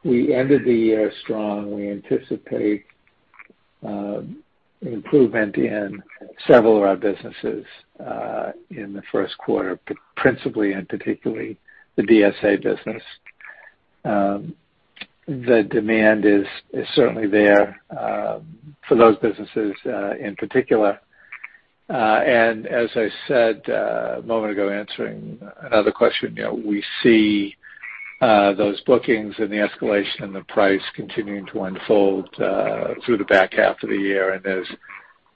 we ended the year strong. We anticipate improvement in several of our businesses in the first quarter, but principally and particularly the DSA business. The demand is certainly there for those businesses in particular. And as I said a moment ago answering another question, you know, we see those bookings and the escalation and the price continuing to unfold through the back half of the year.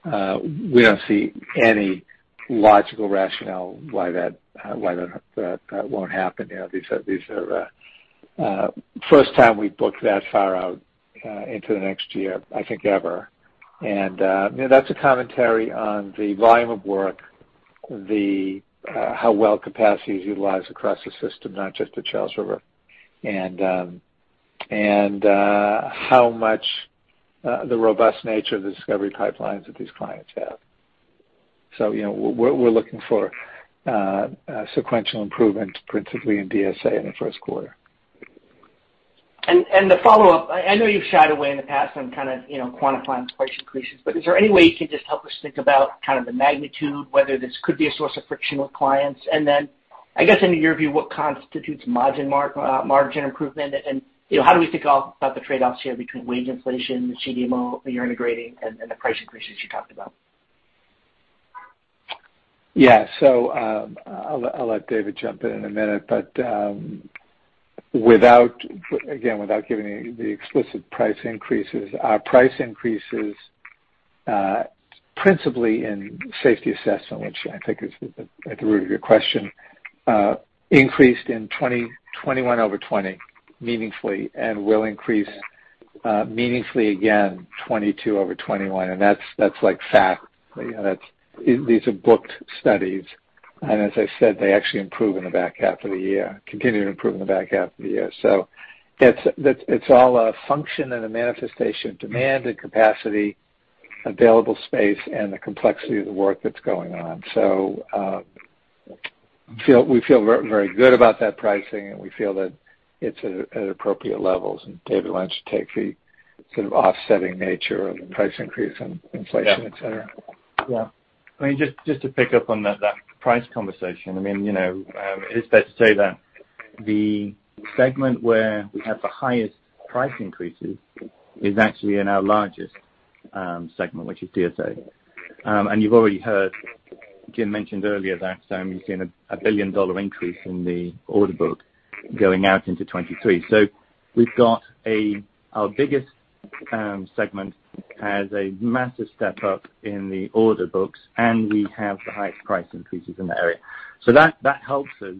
We don't see any logical rationale why that won't happen. You know, this is the first time we've booked that far out into the next year, I think, ever. you know, that's a commentary on the volume of work, how well capacity is utilized across the system, not just at Charles River, and how much the robust nature of the discovery pipelines that these clients have. you know, we're looking for sequential improvement, principally in DSA in the first quarter. The follow-up, I know you've shied away in the past on kinda, you know, quantifying price increases, but is there any way you can just help us think about kind of the magnitude, whether this could be a source of friction with clients? Then, I guess, in your view, what constitutes margin improvement and, you know, how do we think all about the trade-offs here between wage inflation, the CDMO you're integrating, and the price increases you talked about? I'll let David jump in in a minute, but without, again, without giving the explicit price increases, our price increases principally in safety assessment, which I think is at the root of your question, increased in 2021 over 2020. Meaningfully and will increase meaningfully again 2022 over 2021. That's like fact. You know, these are booked studies, and as I said, they actually improve in the back half of the year, continue to improve in the back half of the year. It's all a function and a manifestation of demand and capacity, available space, and the complexity of the work that's going on. We feel very good about that pricing, and we feel that it's at appropriate levels. David Smith will take the sort of offsetting nature of the price increase and inflation, etc. I mean, just to pick up on that price conversation. I mean, you know, it's fair to say that the segment where we have the highest price increases is actually in our largest segment, which is DSA. You've already heard James mentioned earlier that you've seen a billion-dollar increase in the order book going out into 2023. Our biggest segment has a massive step up in the order books, and we have the highest price increases in the area. That helps us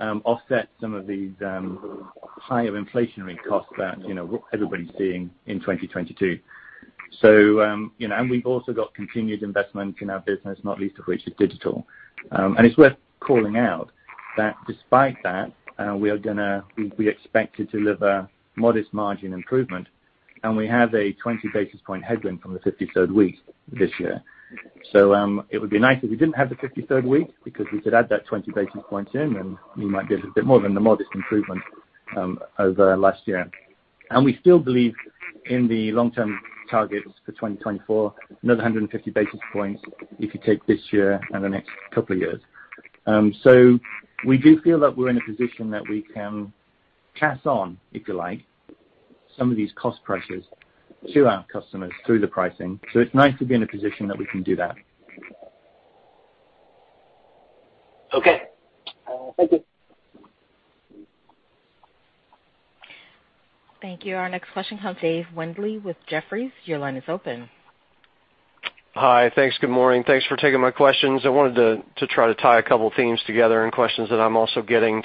offset some of these higher inflationary costs that, you know, everybody's seeing in 2022. You know, we've also got continued investment in our business, not least of which is digital. It's worth calling out that despite that, we expect to deliver modest margin improvement, and we have a 20 basis point headwind from the 53rd week this year. It would be nice if we didn't have the 53rd week because we could add that 20 basis points in, and we might get a bit more than the modest improvement over last year. We still believe in the long-term targets for 2024, another 150 basis points if you take this year and the next couple of years. We do feel that we're in a position that we can pass on, if you like, some of these cost prices to our customers through the pricing. It's nice to be in a position that we can do that. Okay. Thank you. Thank you. Our next question comes from Dave Windley with Jefferies. Your line is open. Hi. Thanks. Good morning. Thanks for taking my questions. I wanted to try to tie a couple themes together and questions that I'm also getting.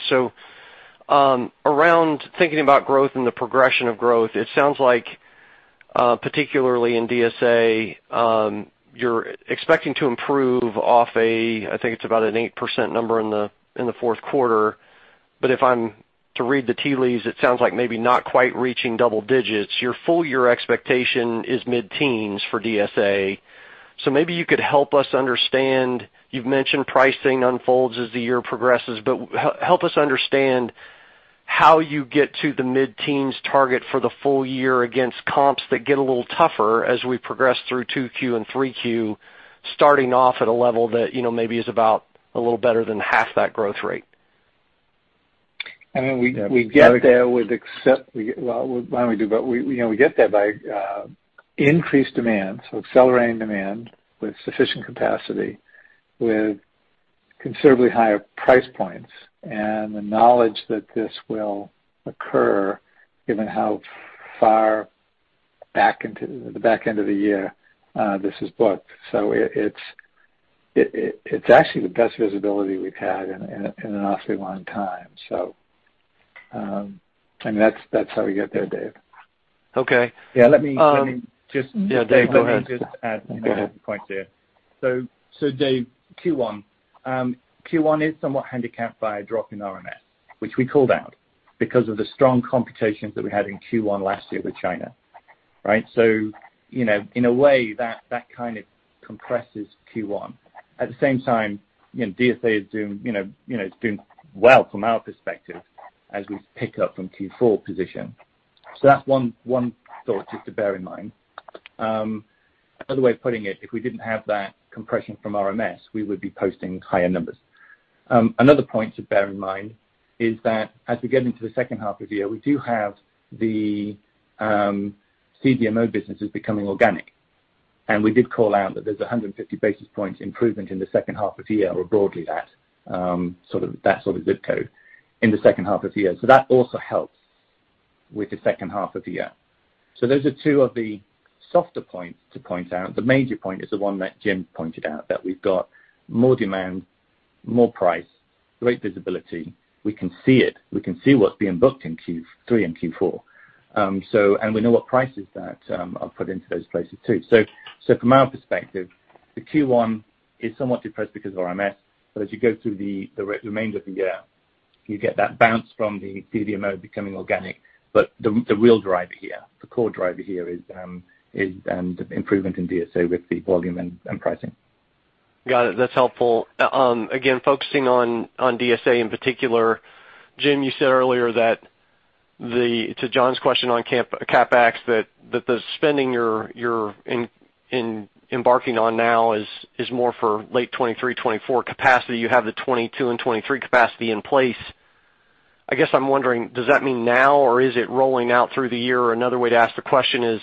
Around thinking about growth and the progression of growth, it sounds like, particularly in DSA, you're expecting to improve off a I think it's about an 8% number in the fourth quarter, but if I'm to read the tea leaves, it sounds like maybe not quite reaching double digits. Your full year expectation is mid-teens for DSA. Maybe you could help us understand. You've mentioned pricing unfolds as the year progresses, but help us understand how you get to the mid-teens target for the full year against comps that get a little tougher as we progress through 2Q and 3Q, starting off at a level that, you know, maybe is about a little better than half that growth rate. I mean, we get there. Well, why don't we do both? We, you know, get there by increased demand, so accelerating demand with sufficient capacity, with considerably higher price points and the knowledge that this will occur given how far back into the back end of the year this is booked. It's actually the best visibility we've had in an awfully long time. I mean, that's how we get there, Dave Windley. Okay. Yeah, let me. Um- Let me just- Yeah, Dave, go ahead. Let me just add another point there. Dave, Q1. Q1 is somewhat handicapped by a drop in RMS, which we called out because of the strong comparisons that we had in Q1 last year with China, right? You know, in a way, that kind of compresses Q1. At the same time, you know, DSA is doing, you know, it's doing well from our perspective as we pick up from Q4 position. That's one thought just to bear in mind. Another way of putting it, if we didn't have that compression from RMS, we would be posting higher numbers. Another point to bear in mind is that as we get into the second half of the year, we do have the CDMO businesses becoming organic. We did call out that there's 150 basis points improvement in the second half of the year or broadly that, sort of that zip code in the second half of the year. That also helps with the second half of the year. Those are two of the softer points to point out. The major point is the one that James pointed out, that we've got more demand, more price, great visibility. We can see it. We can see what's being booked in Q3 and Q4. We know what prices that are put into those places too. From our perspective, the Q1 is somewhat depressed because of RMS. As you go through the remainder of the year, you get that bounce from the CDMO becoming organic. The real driver here, the core driver here is improvement in DSA with the volume and pricing. Got it. That's helpful. Again, focusing on DSA in particular, James, you said earlier that to John's question on CapEx, the spending you're embarking on now is more for late 2023, 2024 capacity. You have the 2022 and 2023 capacity in place. I guess I'm wondering, does that mean now, or is it rolling out through the year? Another way to ask the question is,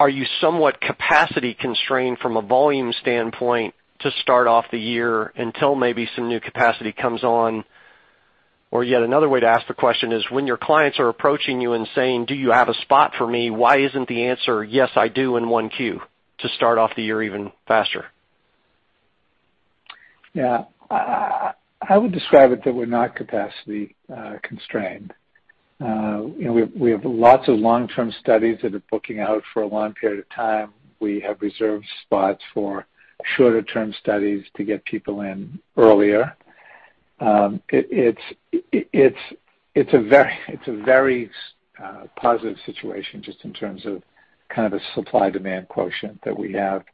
are you somewhat capacity constrained from a volume standpoint to start off the year until maybe some new capacity comes on? Or yet another way to ask the question is, when your clients are approaching you and saying, "Do you have a spot for me?" Why isn't the answer, "Yes, I do in Q1," to start off the year even faster? Yeah. I would describe it that we're not capacity constrained. You know, we have lots of long-term studies that are booking out for a long period of time. We have reserved spots for shorter-term studies to get people in earlier. It's a very positive situation just in terms of kind of a supply-demand quotient that we have.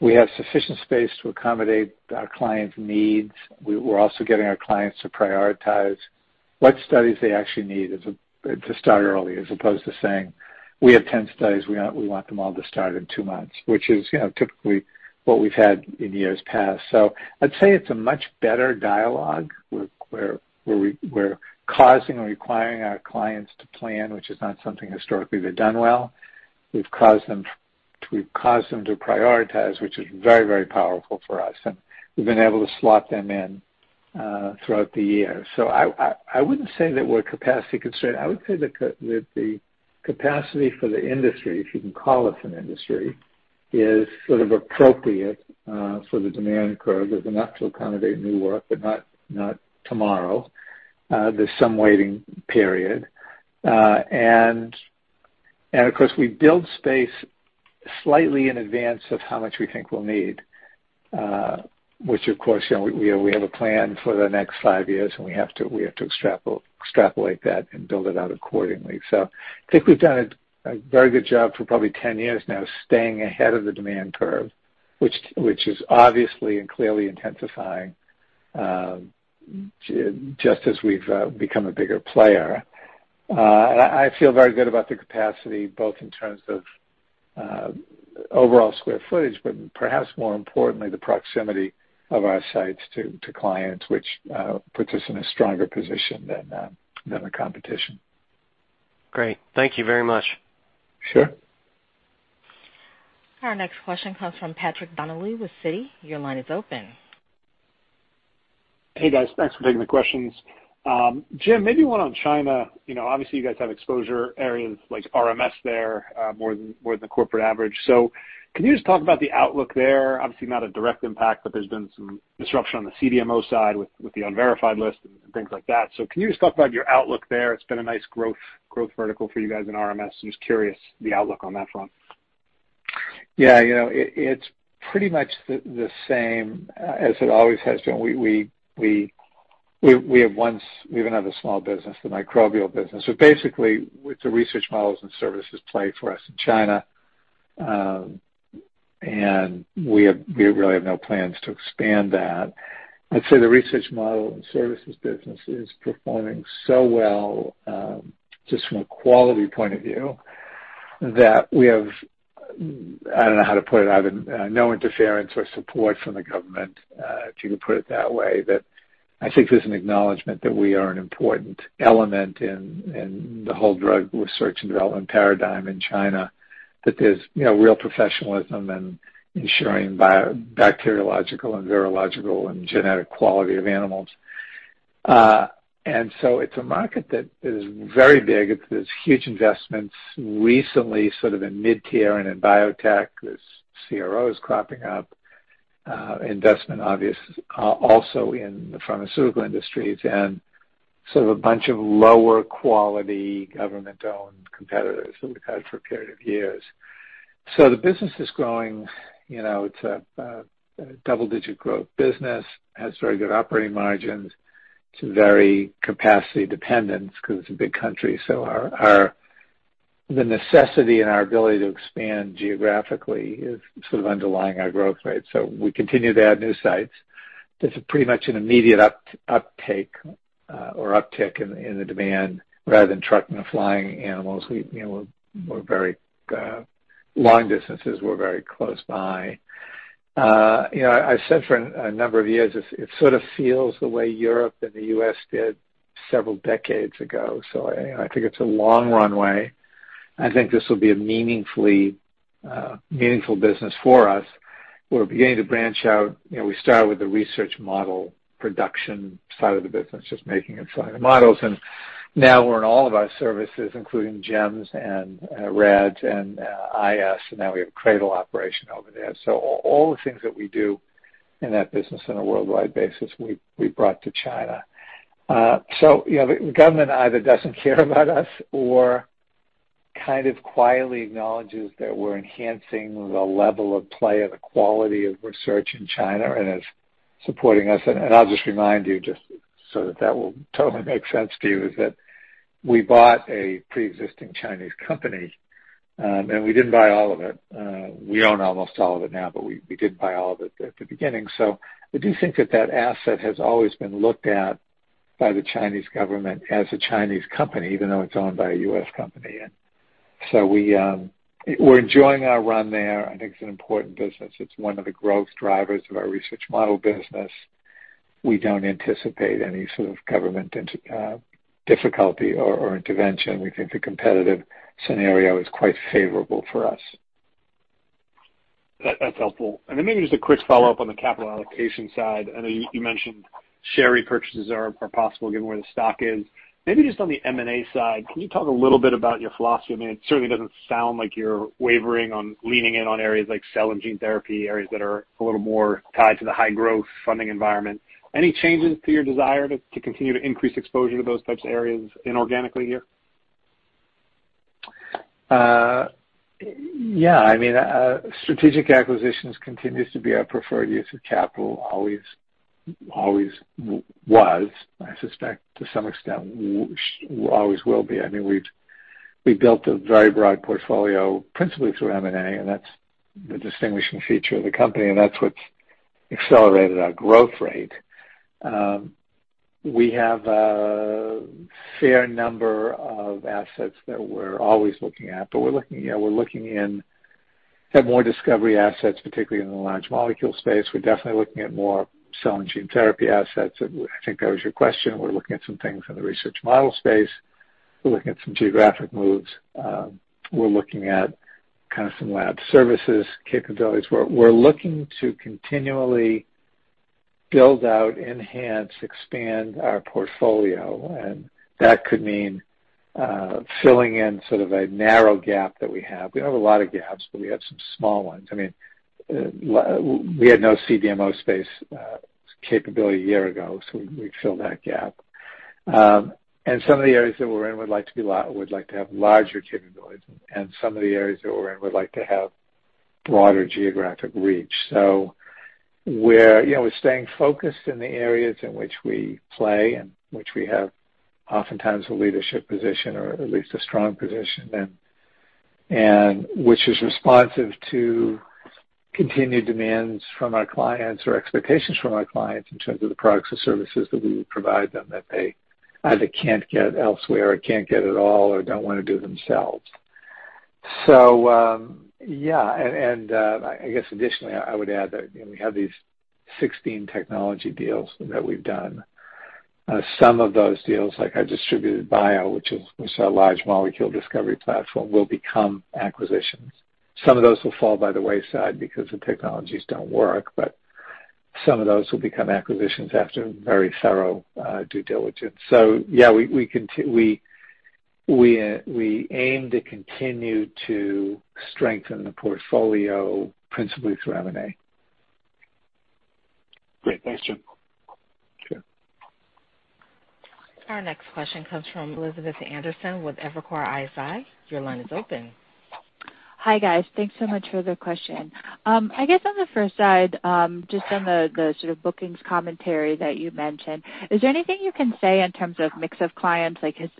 We have sufficient space to accommodate our clients' needs. We're also getting our clients to prioritize what studies they actually need as a to start early, as opposed to saying, "We have 10 studies. We want them all to start in two months," which is, you know, typically what we've had in years past. I'd say it's a much better dialogue where we're causing or requiring our clients to plan, which is not something historically they've done well. We've caused them to prioritize, which is very, very powerful for us, and we've been able to slot them in throughout the year. I wouldn't say that we're capacity constrained. I would say that the capacity for the industry, if you can call it an industry, is sort of appropriate for the demand curve. There's enough to accommodate new work, but not tomorrow. There's some waiting period. Of course, we build space slightly in advance of how much we think we'll need, which of course, you know, we have a plan for the next 5 years, and we have to extrapolate that and build it out accordingly. I think we've done a very good job for probably 10 years now staying ahead of the demand curve, which is obviously and clearly intensifying, just as we've become a bigger player. I feel very good about the capacity, both in terms of overall square footage, but perhaps more importantly, the proximity of our sites to clients, which puts us in a stronger position than the competition. Great. Thank you very much. Sure. Our next question comes from Patrick Donnelly with Citi. Your line is open. Hey, guys. Thanks for taking the questions. James, maybe one on China. You know, obviously, you guys have exposure areas like RMS there, more than the corporate average. So can you just talk about the outlook there? Obviously not a direct impact, but there's been some disruption on the CDMO side with the unverified list and things like that. So can you just talk about your outlook there? It's been a nice growth vertical for you guys in RMS. I'm just curious the outlook on that front. Yeah. You know, it's pretty much the same as it always has been. We have another small business, the microbial business. Basically, it's a research models and services play for us in China, and we really have no plans to expand that. I'd say the research model and services business is performing so well, just from a quality point of view, that we have, I don't know how to put it, other than no interference or support from the government, if you could put it that way. I think there's an acknowledgement that we are an important element in the whole drug research and development paradigm in China, that there's real professionalism in ensuring bacteriological and virological and genetic quality of animals. It's a market that is very big. It's. There's huge investments recently, sort of in mid-tier and in biotech. There's CROs cropping up, investments obviously also in the pharmaceutical industries, and sort of a bunch of lower quality government-owned competitors that we've had for a period of years. The business is growing. You know, it's a double-digit growth business, has very good operating margins. It's very capacity dependent because it's a big country, so the necessity in our ability to expand geographically is sort of underlying our growth rate. We continue to add new sites. There's pretty much an immediate uptake or uptick in the demand rather than trucking or flying animals over very long distances. You know, we're very close by. You know, I've said for a number of years, it sort of feels the way Europe and the U.S. did several decades ago. I think it's a long runway. I think this will be a meaningful business for us. We're beginning to branch out. You know, we started with the research model production side of the business, just making and selling the models, and now we're in all of our services, including GEMS and RADS and IS, and now we have CRADL operation over there. All the things that we do in that business on a worldwide basis, we brought to China. You know, the government either doesn't care about us or kind of quietly acknowledges that we're enhancing the level of play or the quality of research in China and is supporting us. I'll just remind you, just so that that will totally make sense to you, is that we bought a pre-existing Chinese company, and we didn't buy all of it. We own almost all of it now, but we didn't buy all of it at the beginning. I do think that that asset has always been looked at by the Chinese government as a Chinese company, even though it's owned by a U.S. company. We're enjoying our run there. I think it's an important business. It's one of the growth drivers of our research model business. We don't anticipate any sort of government difficulty or intervention. We think the competitive scenario is quite favorable for us. That's helpful. Maybe just a quick follow-up on the capital allocation side. I know you mentioned share repurchases are possible given where the stock is. Maybe just on the M&A side, can you talk a little bit about your philosophy? I mean, it certainly doesn't sound like you're wavering on leaning in on areas like cell and gene therapy, areas that are a little more tied to the high-growth funding environment. Any changes to your desire to continue to increase exposure to those types of areas inorganically here? Yeah. I mean, strategic acquisitions continues to be our preferred use of capital. Always, I suspect to some extent always will be. I mean, we've built a very broad portfolio principally through M&A, and that's the distinguishing feature of the company, and that's what's accelerated our growth rate. We have a fair number of assets that we're always looking at, but we're looking, you know, at more discovery assets, particularly in the large molecule space. We're definitely looking at more cell and gene therapy assets. I think that was your question. We're looking at some things in the research model space. We're looking at some geographic moves. We're looking at kind of some lab services capabilities. We're looking to continually build out, enhance, expand our portfolio, and that could mean filling in sort of a narrow gap that we have. We don't have a lot of gaps, but we have some small ones. I mean, we had no CDMO space capability a year ago, so we filled that gap. Some of the areas that we're in would like to have larger capabilities, and some of the areas that we're in would like to have broader geographic reach. We're, you know, we're staying focused in the areas in which we play and which we have oftentimes a leadership position or at least a strong position and which is responsive to continued demands from our clients or expectations from our clients in terms of the products and services that we would provide them that they either can't get elsewhere or can't get at all or don't wanna do themselves. Yeah. I guess additionally, I would add that, you know, we have these 16 technology deals that we've done. Some of those deals, like our Distributed Bio, which was our large molecule discovery platform, will become acquisitions. Some of those will fall by the wayside because the technologies don't work, but some of those will become acquisitions after very thorough due diligence. Yeah, we aim to continue to strengthen the portfolio principally through M&A. Great. Thanks, James. Sure. Our next question comes from Elizabeth Anderson with Evercore ISI. Your line is open. Hi, guys. Thanks so much for the question. I guess on the first side, just on the sort of bookings commentary that you mentioned, is there anything you can say in terms of mix of clients? Like, have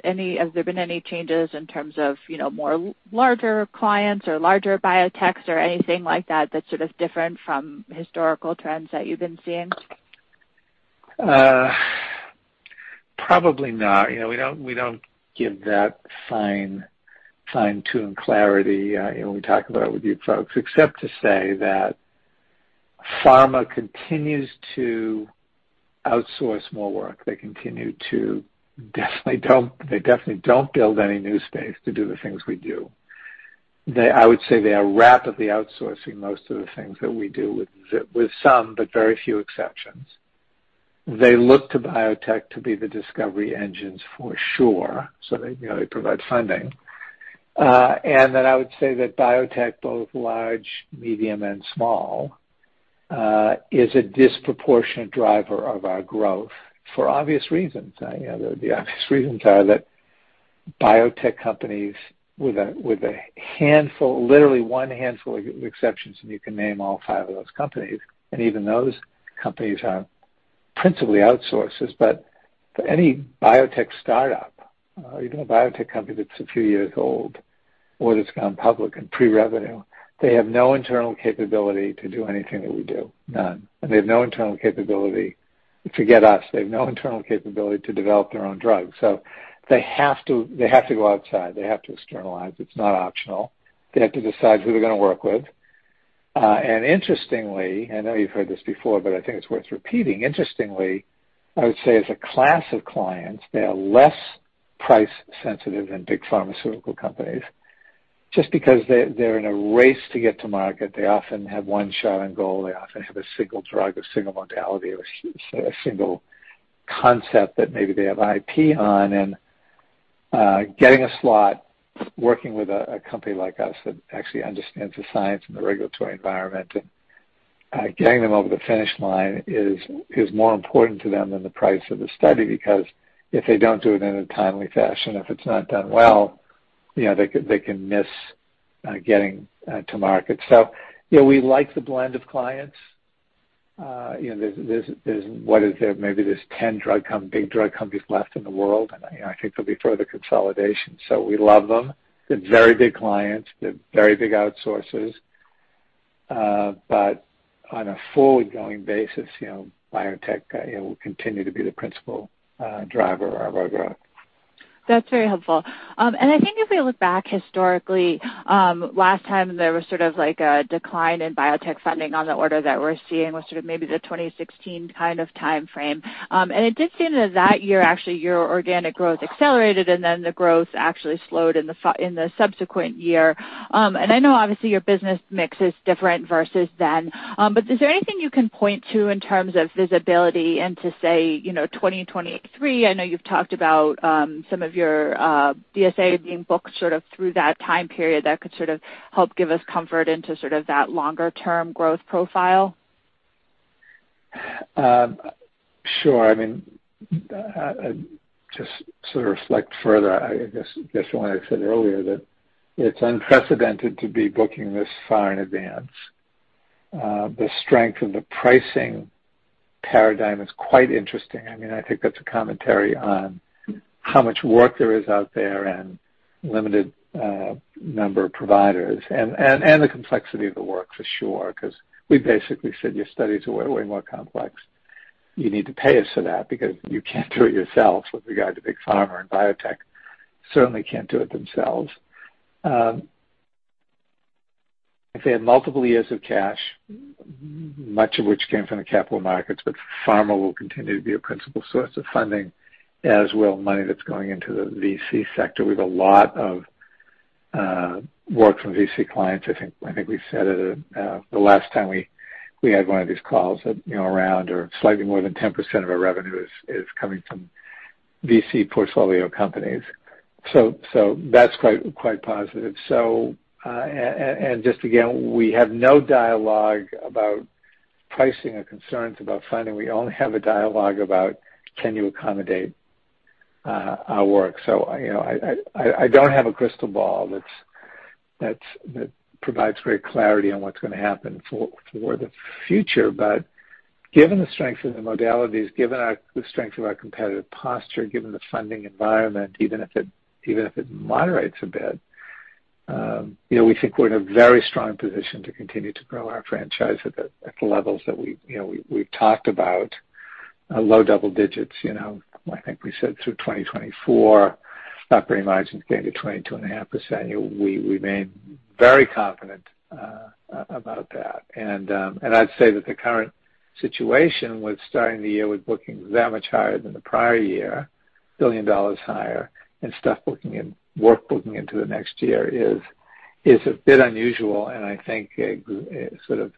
there been any changes in terms of, you know, more larger clients or larger biotechs or anything like that that's sort of different from historical trends that you've been seeing? Probably not. You know, we don't give that fine-tune clarity, you know, when we talk about it with you folks, except to say that pharma continues to outsource more work. They definitely don't build any new space to do the things we do. I would say they are rapidly outsourcing most of the things that we do, with some, but very few exceptions. They look to biotech to be the discovery engines for sure, so they, you know, they provide funding. I would say that biotech, both large, medium, and small, is a disproportionate driver of our growth for obvious reasons. You know, the obvious reasons are that biotech companies with a handful, literally one handful of exceptions, and you can name all five of those companies, and even those companies are principally outsourcers. Any biotech startup, even a biotech company that's a few years old or that's gone public and pre-revenue, they have no internal capability to do anything that we do. None. They have no internal capability, forget us, they have no internal capability to develop their own drugs. They have to go outside. They have to externalize. It's not optional. They have to decide who they're gonna work with. Interestingly, I know you've heard this before, but I think it's worth repeating. Interestingly, I would say as a class of clients, they are less price-sensitive than big pharmaceutical companies just because they're in a race to get to market. They often have one shot on goal. They often have a single drug, a single modality or single concept that maybe they have IP on. Getting a slot, working with a company like us that actually understands the science and the regulatory environment and getting them over the finish line is more important to them than the price of the study because if they don't do it in a timely fashion, if it's not done well, you know, they can miss getting to market. You know, we like the blend of clients. You know, maybe 10 big drug companies left in the world, and you know, I think there'll be further consolidation. We love them. They're very big clients. They're very big outsourcers. But on a forward-looking basis, you know, biotech you know will continue to be the principal driver of our growth. That's very helpful. I think if we look back historically, last time there was sort of like a decline in biotech funding on the order that we're seeing was sort of maybe the 2016 kind of timeframe. It did seem that year actually your organic growth accelerated, and then the growth actually slowed in the subsequent year. I know obviously your business mix is different versus then, but is there anything you can point to in terms of visibility into say, you know, 2023? I know you've talked about some of your DSA being booked sort of through that time period that could sort of help give us comfort into sort of that longer-term growth profile. Sure. I mean, just sort of reflect further, I guess from what I said earlier, that it's unprecedented to be booking this far in advance. The strength and the pricing paradigm is quite interesting. I mean, I think that's a commentary on how much work there is out there and limited number of providers and the complexity of the work for sure, 'cause we basically said your studies are way more complex. You need to pay us for that because you can't do it yourselves with regard to big pharma and biotech. Certainly can't do it themselves. If they had multiple years of cash, much of which came from the capital markets, but pharma will continue to be a principal source of funding, as will money that's going into the VC sector. We have a lot of work from VC clients. I think we've said it the last time we had one of these calls that, you know, around or slightly more than 10% of our revenue is coming from VC portfolio companies. That's quite positive. And just again, we have no dialogue about pricing or concerns about funding. We only have a dialogue about can you accommodate our work. You know, I don't have a crystal ball that provides great clarity on what's gonna happen for the future. Given the strength of the modalities, given the strength of our competitive posture, given the funding environment, even if it moderates a bit, you know, we think we're in a very strong position to continue to grow our franchise at the levels that we, you know, we've talked about, low double digits. You know, I think we said through 2024, operating margins getting to 22.5%. You know, we remain very confident about that. I'd say that the current situation with starting the year with booking that much higher than the prior year, $1 billion higher, and work booking into the next year is a bit unusual and I think a sort of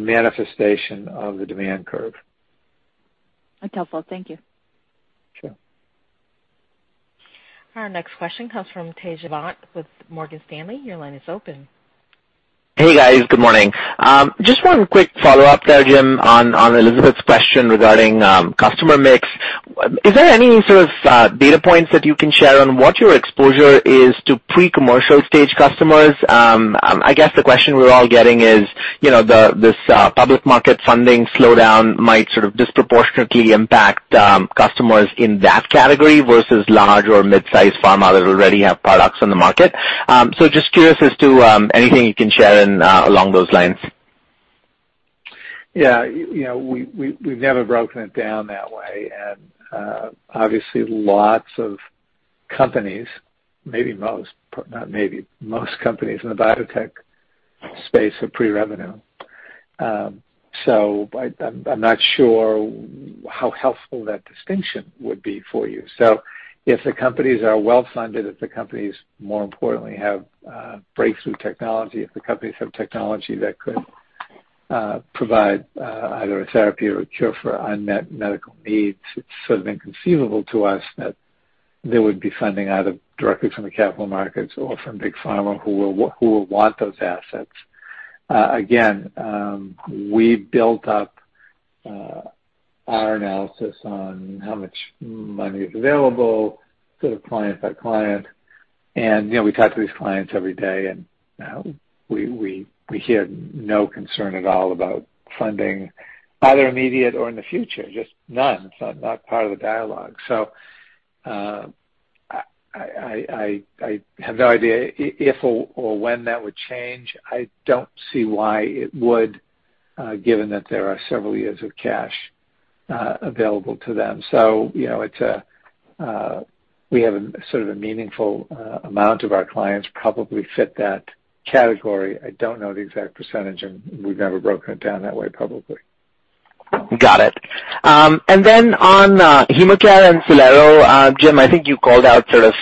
manifestation of the demand curve. That's helpful. Thank you. Sure. Our next question comes from Tejas Savant with Morgan Stanley. Your line is open. Hey, guys. Good morning. Just one quick follow-up there, James, on Elizabeth's question regarding customer mix. Is there any sort of data points that you can share on what your exposure is to pre-commercial stage customers? I guess the question we're all getting is, you know, this public market funding slowdown might sort of disproportionately impact customers in that category versus large or mid-sized pharma that already have products on the market. Just curious as to anything you can share along those lines. Yeah. You know, we've never broken it down that way. Obviously lots of companies, maybe most, not maybe, most companies in the biotech space are pre-revenue. I'm not sure how helpful that distinction would be for you. If the companies are well-funded, if the companies, more importantly, have breakthrough technology, if the companies have technology that could provide either a therapy or a cure for unmet medical needs, it's sort of inconceivable to us that they would be funding either directly from the capital markets or from big pharma who will want those assets. We built up our analysis on how much money is available sort of client by client. You know, we talk to these clients every day, and we hear no concern at all about funding, either immediate or in the future, just none. It's not part of the dialogue. I have no idea if or when that would change. I don't see why it would, given that there are several years of cash available to them. You know, we have a sort of a meaningful amount of our clients probably fit that category. I don't know the exact percentage, and we've never broken it down that way, probably. Got it. On HemaCare and Cellero, James, I think you called out sort of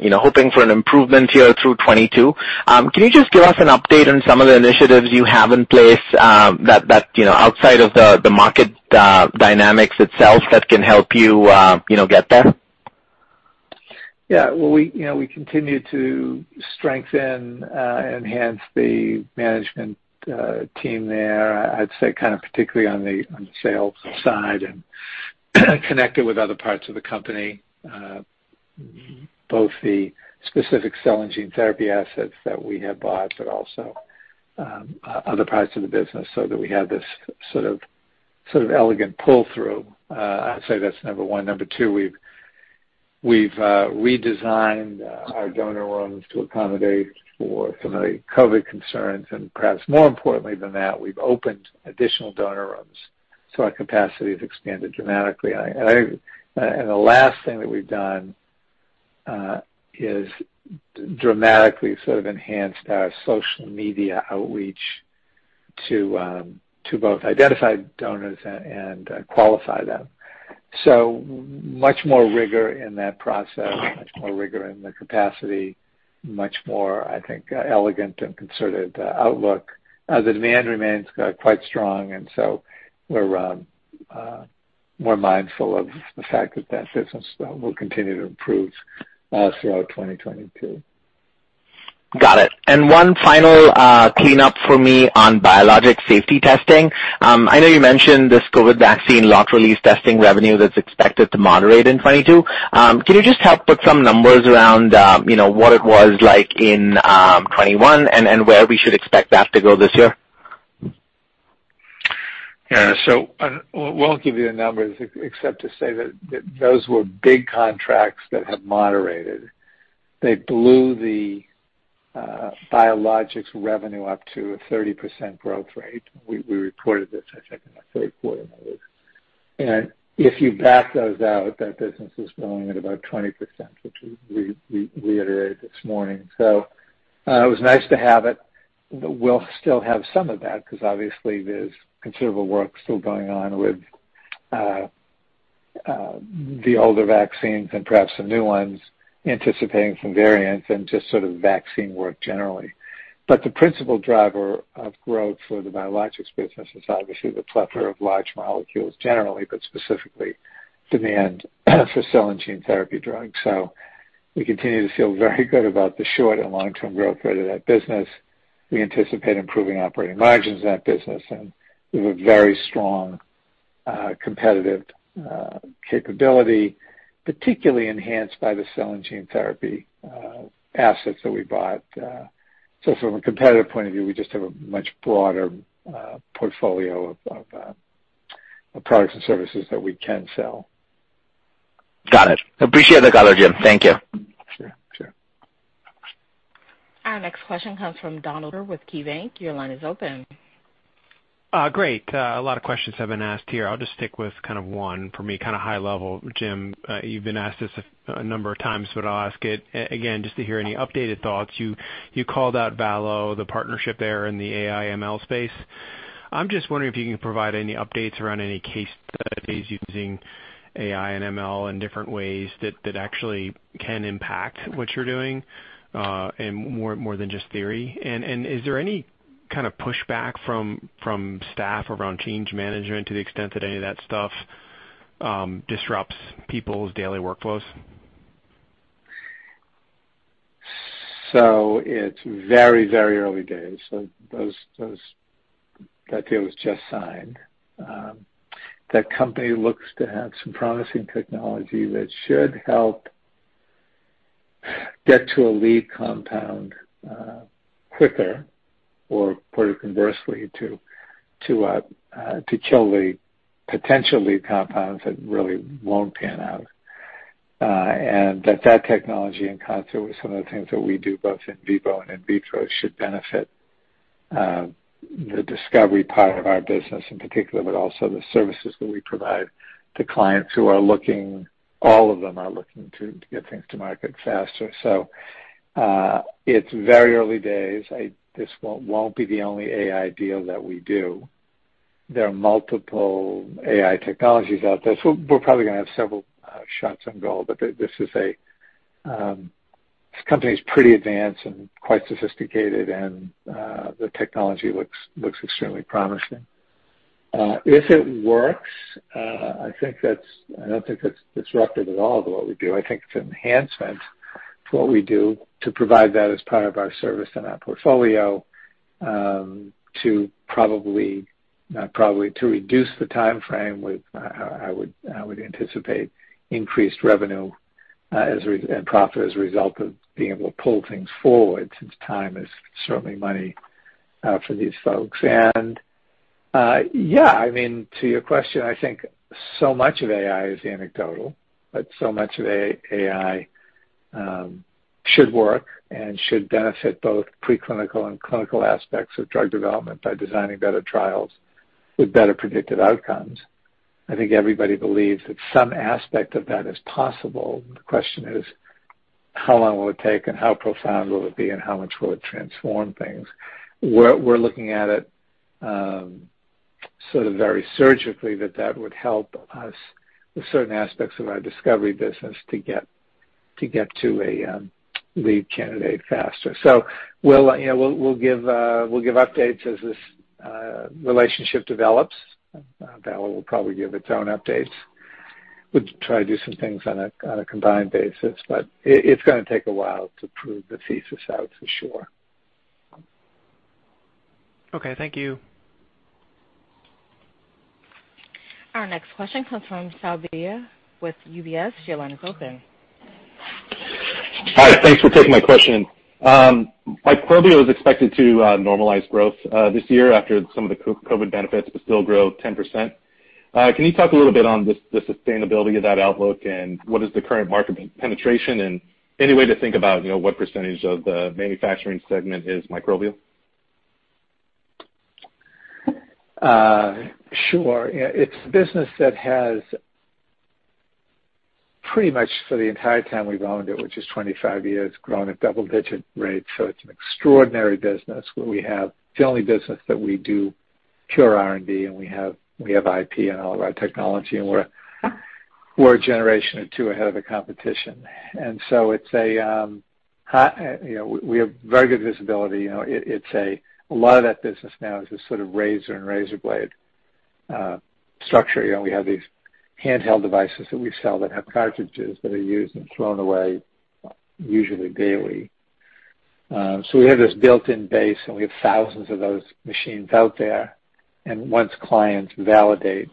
you know hoping for an improvement here through 2022. Can you just give us an update on some of the initiatives you have in place that you know outside of the market dynamics itself that can help you you know get there? Yeah. Well, you know, we continue to strengthen enhance the management team there. I'd say kind of particularly on the sales side and connect it with other parts of the company, both the specific cell and gene therapy assets that we have bought, but also other parts of the business, so that we have this sort of elegant pull-through. I'd say that's number one. Number two, we've redesigned our donor rooms to accommodate for some of the COVID concerns. Perhaps more importantly than that, we've opened additional donor rooms, so our capacity has expanded dramatically. And the last thing that we've done is dramatically sort of enhanced our social media outreach to both identify donors and qualify them. Much more rigor in that process, much more rigor in the capacity, I think, elegant and concerted outlook. The demand remains quite strong, and so we're more mindful of the fact that that business will continue to improve throughout 2022. Got it. One final cleanup for me on biologic safety testing. I know you mentioned this COVID vaccine lot release testing revenue that's expected to moderate in 2022. Can you just help put some numbers around, you know, what it was like in 2021 and where we should expect that to go this year? Yeah. We won't give you the numbers except to say that those were big contracts that have moderated. They blew the biologics revenue up to a 30% growth rate. We reported this, I think, in our third quarter numbers. If you back those out, that business is growing at about 20%, which we reiterated this morning. It was nice to have it, but we'll still have some of that because obviously there's considerable work still going on with the older vaccines and perhaps some new ones anticipating some variants and just sort of vaccine work generally. The principal driver of growth for the biologics business is obviously the plethora of large molecules generally, but specifically demand for cell and gene therapy drugs. We continue to feel very good about the short- and long-term growth rate of that business. We anticipate improving operating margins in that business, and we have a very strong, competitive, capability, particularly enhanced by the cell and gene therapy, assets that we bought. From a competitive point of view, we just have a much broader, portfolio of products and services that we can sell. Got it. Appreciate the color, James. Thank you. Sure. Sure. Our next question comes from Donald with KeyBank. Your line is open. Great. A lot of questions have been asked here. I'll just stick with kind of one for me, kind of high level, James. You've been asked this a number of times, but I'll ask it again just to hear any updated thoughts. You called out Valo, the partnership there in the AI ML space. I'm just wondering if you can provide any updates around any case studies using AI and ML in different ways that actually can impact what you're doing in more than just theory. Is there any kind of pushback from staff around change management to the extent that any of that stuff disrupts people's daily workflows? It's very early days. That deal was just signed. That company looks to have some promising technology which should help get to a lead compound quicker or put it conversely to kill the potential lead compounds that really won't pan out. And that technology in concert with some of the things that we do both in vivo and in vitro should benefit the discovery part of our business in particular, but also the services that we provide to clients who are looking, all of them are looking to get things to market faster. It's very early days. This won't be the only AI deal that we do. There are multiple AI technologies out there, so we're probably gonna have several shots on goal. This company is pretty advanced and quite sophisticated, and the technology looks extremely promising. If it works, I don't think that's disruptive at all to what we do. I think it's an enhancement to what we do to provide that as part of our service and our portfolio to reduce the timeframe. I would anticipate increased revenue and profit as a result of being able to pull things forward since time is certainly money for these folks. Yeah, I mean, to your question, I think so much of AI is anecdotal, but so much of AI should work and should benefit both preclinical and clinical aspects of drug development by designing better trials with better predicted outcomes. I think everybody believes that some aspect of that is possible. The question is how long will it take and how profound will it be and how much will it transform things? We're looking at it sort of very surgically that would help us with certain aspects of our discovery business to get to a lead candidate faster. We'll, you know, give updates as this relationship develops. Valo will probably give its own updates. We'll try to do some things on a combined basis, but it's gonna take a while to prove the thesis out for sure. Okay. Thank you. Our next question comes from Sandy Draper with Guggenheim Securities. Your line is open. Hi. Thanks for taking my question. Microbial is expected to normalize growth this year after some of the COVID benefits, but still grow 10%. Can you talk a little bit on the sustainability of that outlook and what is the current market penetration? Any way to think about, you know, what percentage of the manufacturing segment is microbial? Sure. It's a business that has pretty much for the entire time we've owned it, which is 25 years, grown at double-digit rates. It's an extraordinary business where we have the only business that we do pure R&D, and we have IP in all of our technology, and we're a generation or two ahead of the competition. It's a you know, we have very good visibility. You know, it's a lot of that business now is this sort of razor and razor blade structure. You know, we have these handheld devices that we sell that have cartridges that are used and thrown away, usually daily. We have this built-in base, and we have thousands of those machines out there. Once clients validate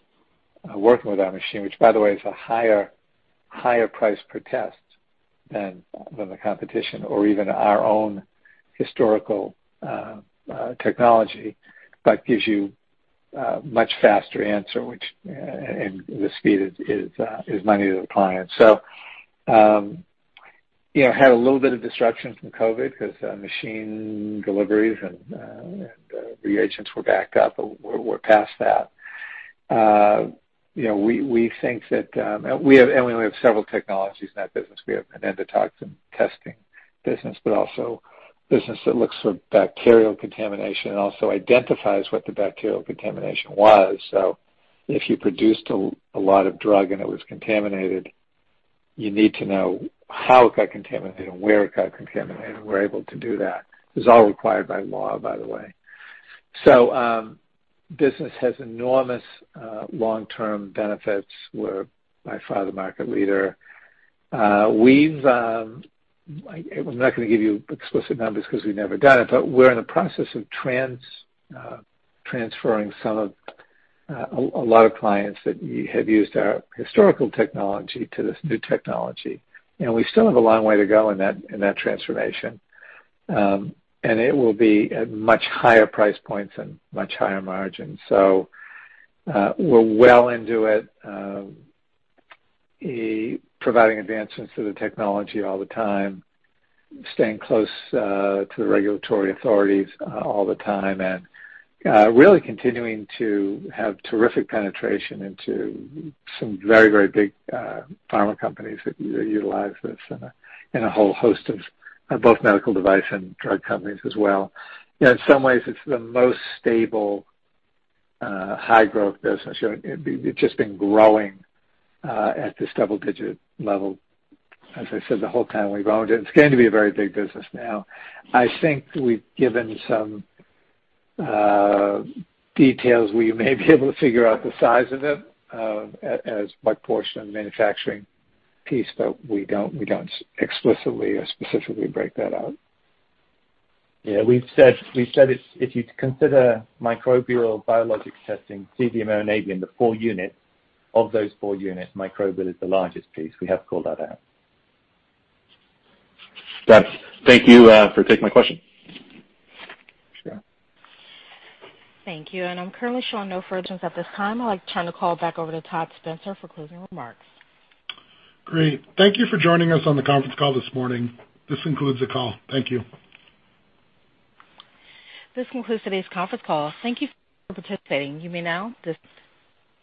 working with our machine, which by the way, is a higher price per test than the competition or even our own historical technology, but gives you a much faster answer, which and the speed is money to the client. You know, we had a little bit of disruption from COVID 'cause machine deliveries and reagents were backed up, but we're past that. You know, we think that we only have several technologies in that business. We have an endotoxin testing business, but also business that looks for bacterial contamination and also identifies what the bacterial contamination was. If you produced a lot of drug and it was contaminated, you need to know how it got contaminated and where it got contaminated. We're able to do that. This is all required by law, by the way. Business has enormous, long-term benefits. We're by far the market leader. I'm not gonna give you explicit numbers 'cause we've never done it, but we're in the process of transferring a lot of clients that have used our historical technology to this new technology. You know, we still have a long way to go in that transformation. It will be at much higher price points and much higher margins. We're well into it, providing advancements to the technology all the time, staying close to the regulatory authorities all the time, and really continuing to have terrific penetration into some very, very big pharma companies that utilize this and a whole host of both medical device and drug companies as well. You know, in some ways, it's the most stable high growth business. You know, it's been growing at this double-digit level, as I said, the whole time we've owned it. It's going to be a very big business now. I think we've given some details where you may be able to figure out the size of it, as what portion of the manufacturing piece, but we don't explicitly or specifically break that out. Yeah. We've said it's, if you'd consider microbial biologics testing, CDMO and ABM, the four units, of those four units, microbial is the largest piece. We have called that out. Got it. Thank you, for taking my question. Sure. Thank you. I'm currently showing no further ones at this time. I'd like to turn the call back over to Todd Spencer for closing remarks. Great. Thank you for joining us on the conference call this morning. This concludes the call. Thank you. This concludes today's conference call. Thank you for participating. You may now dis-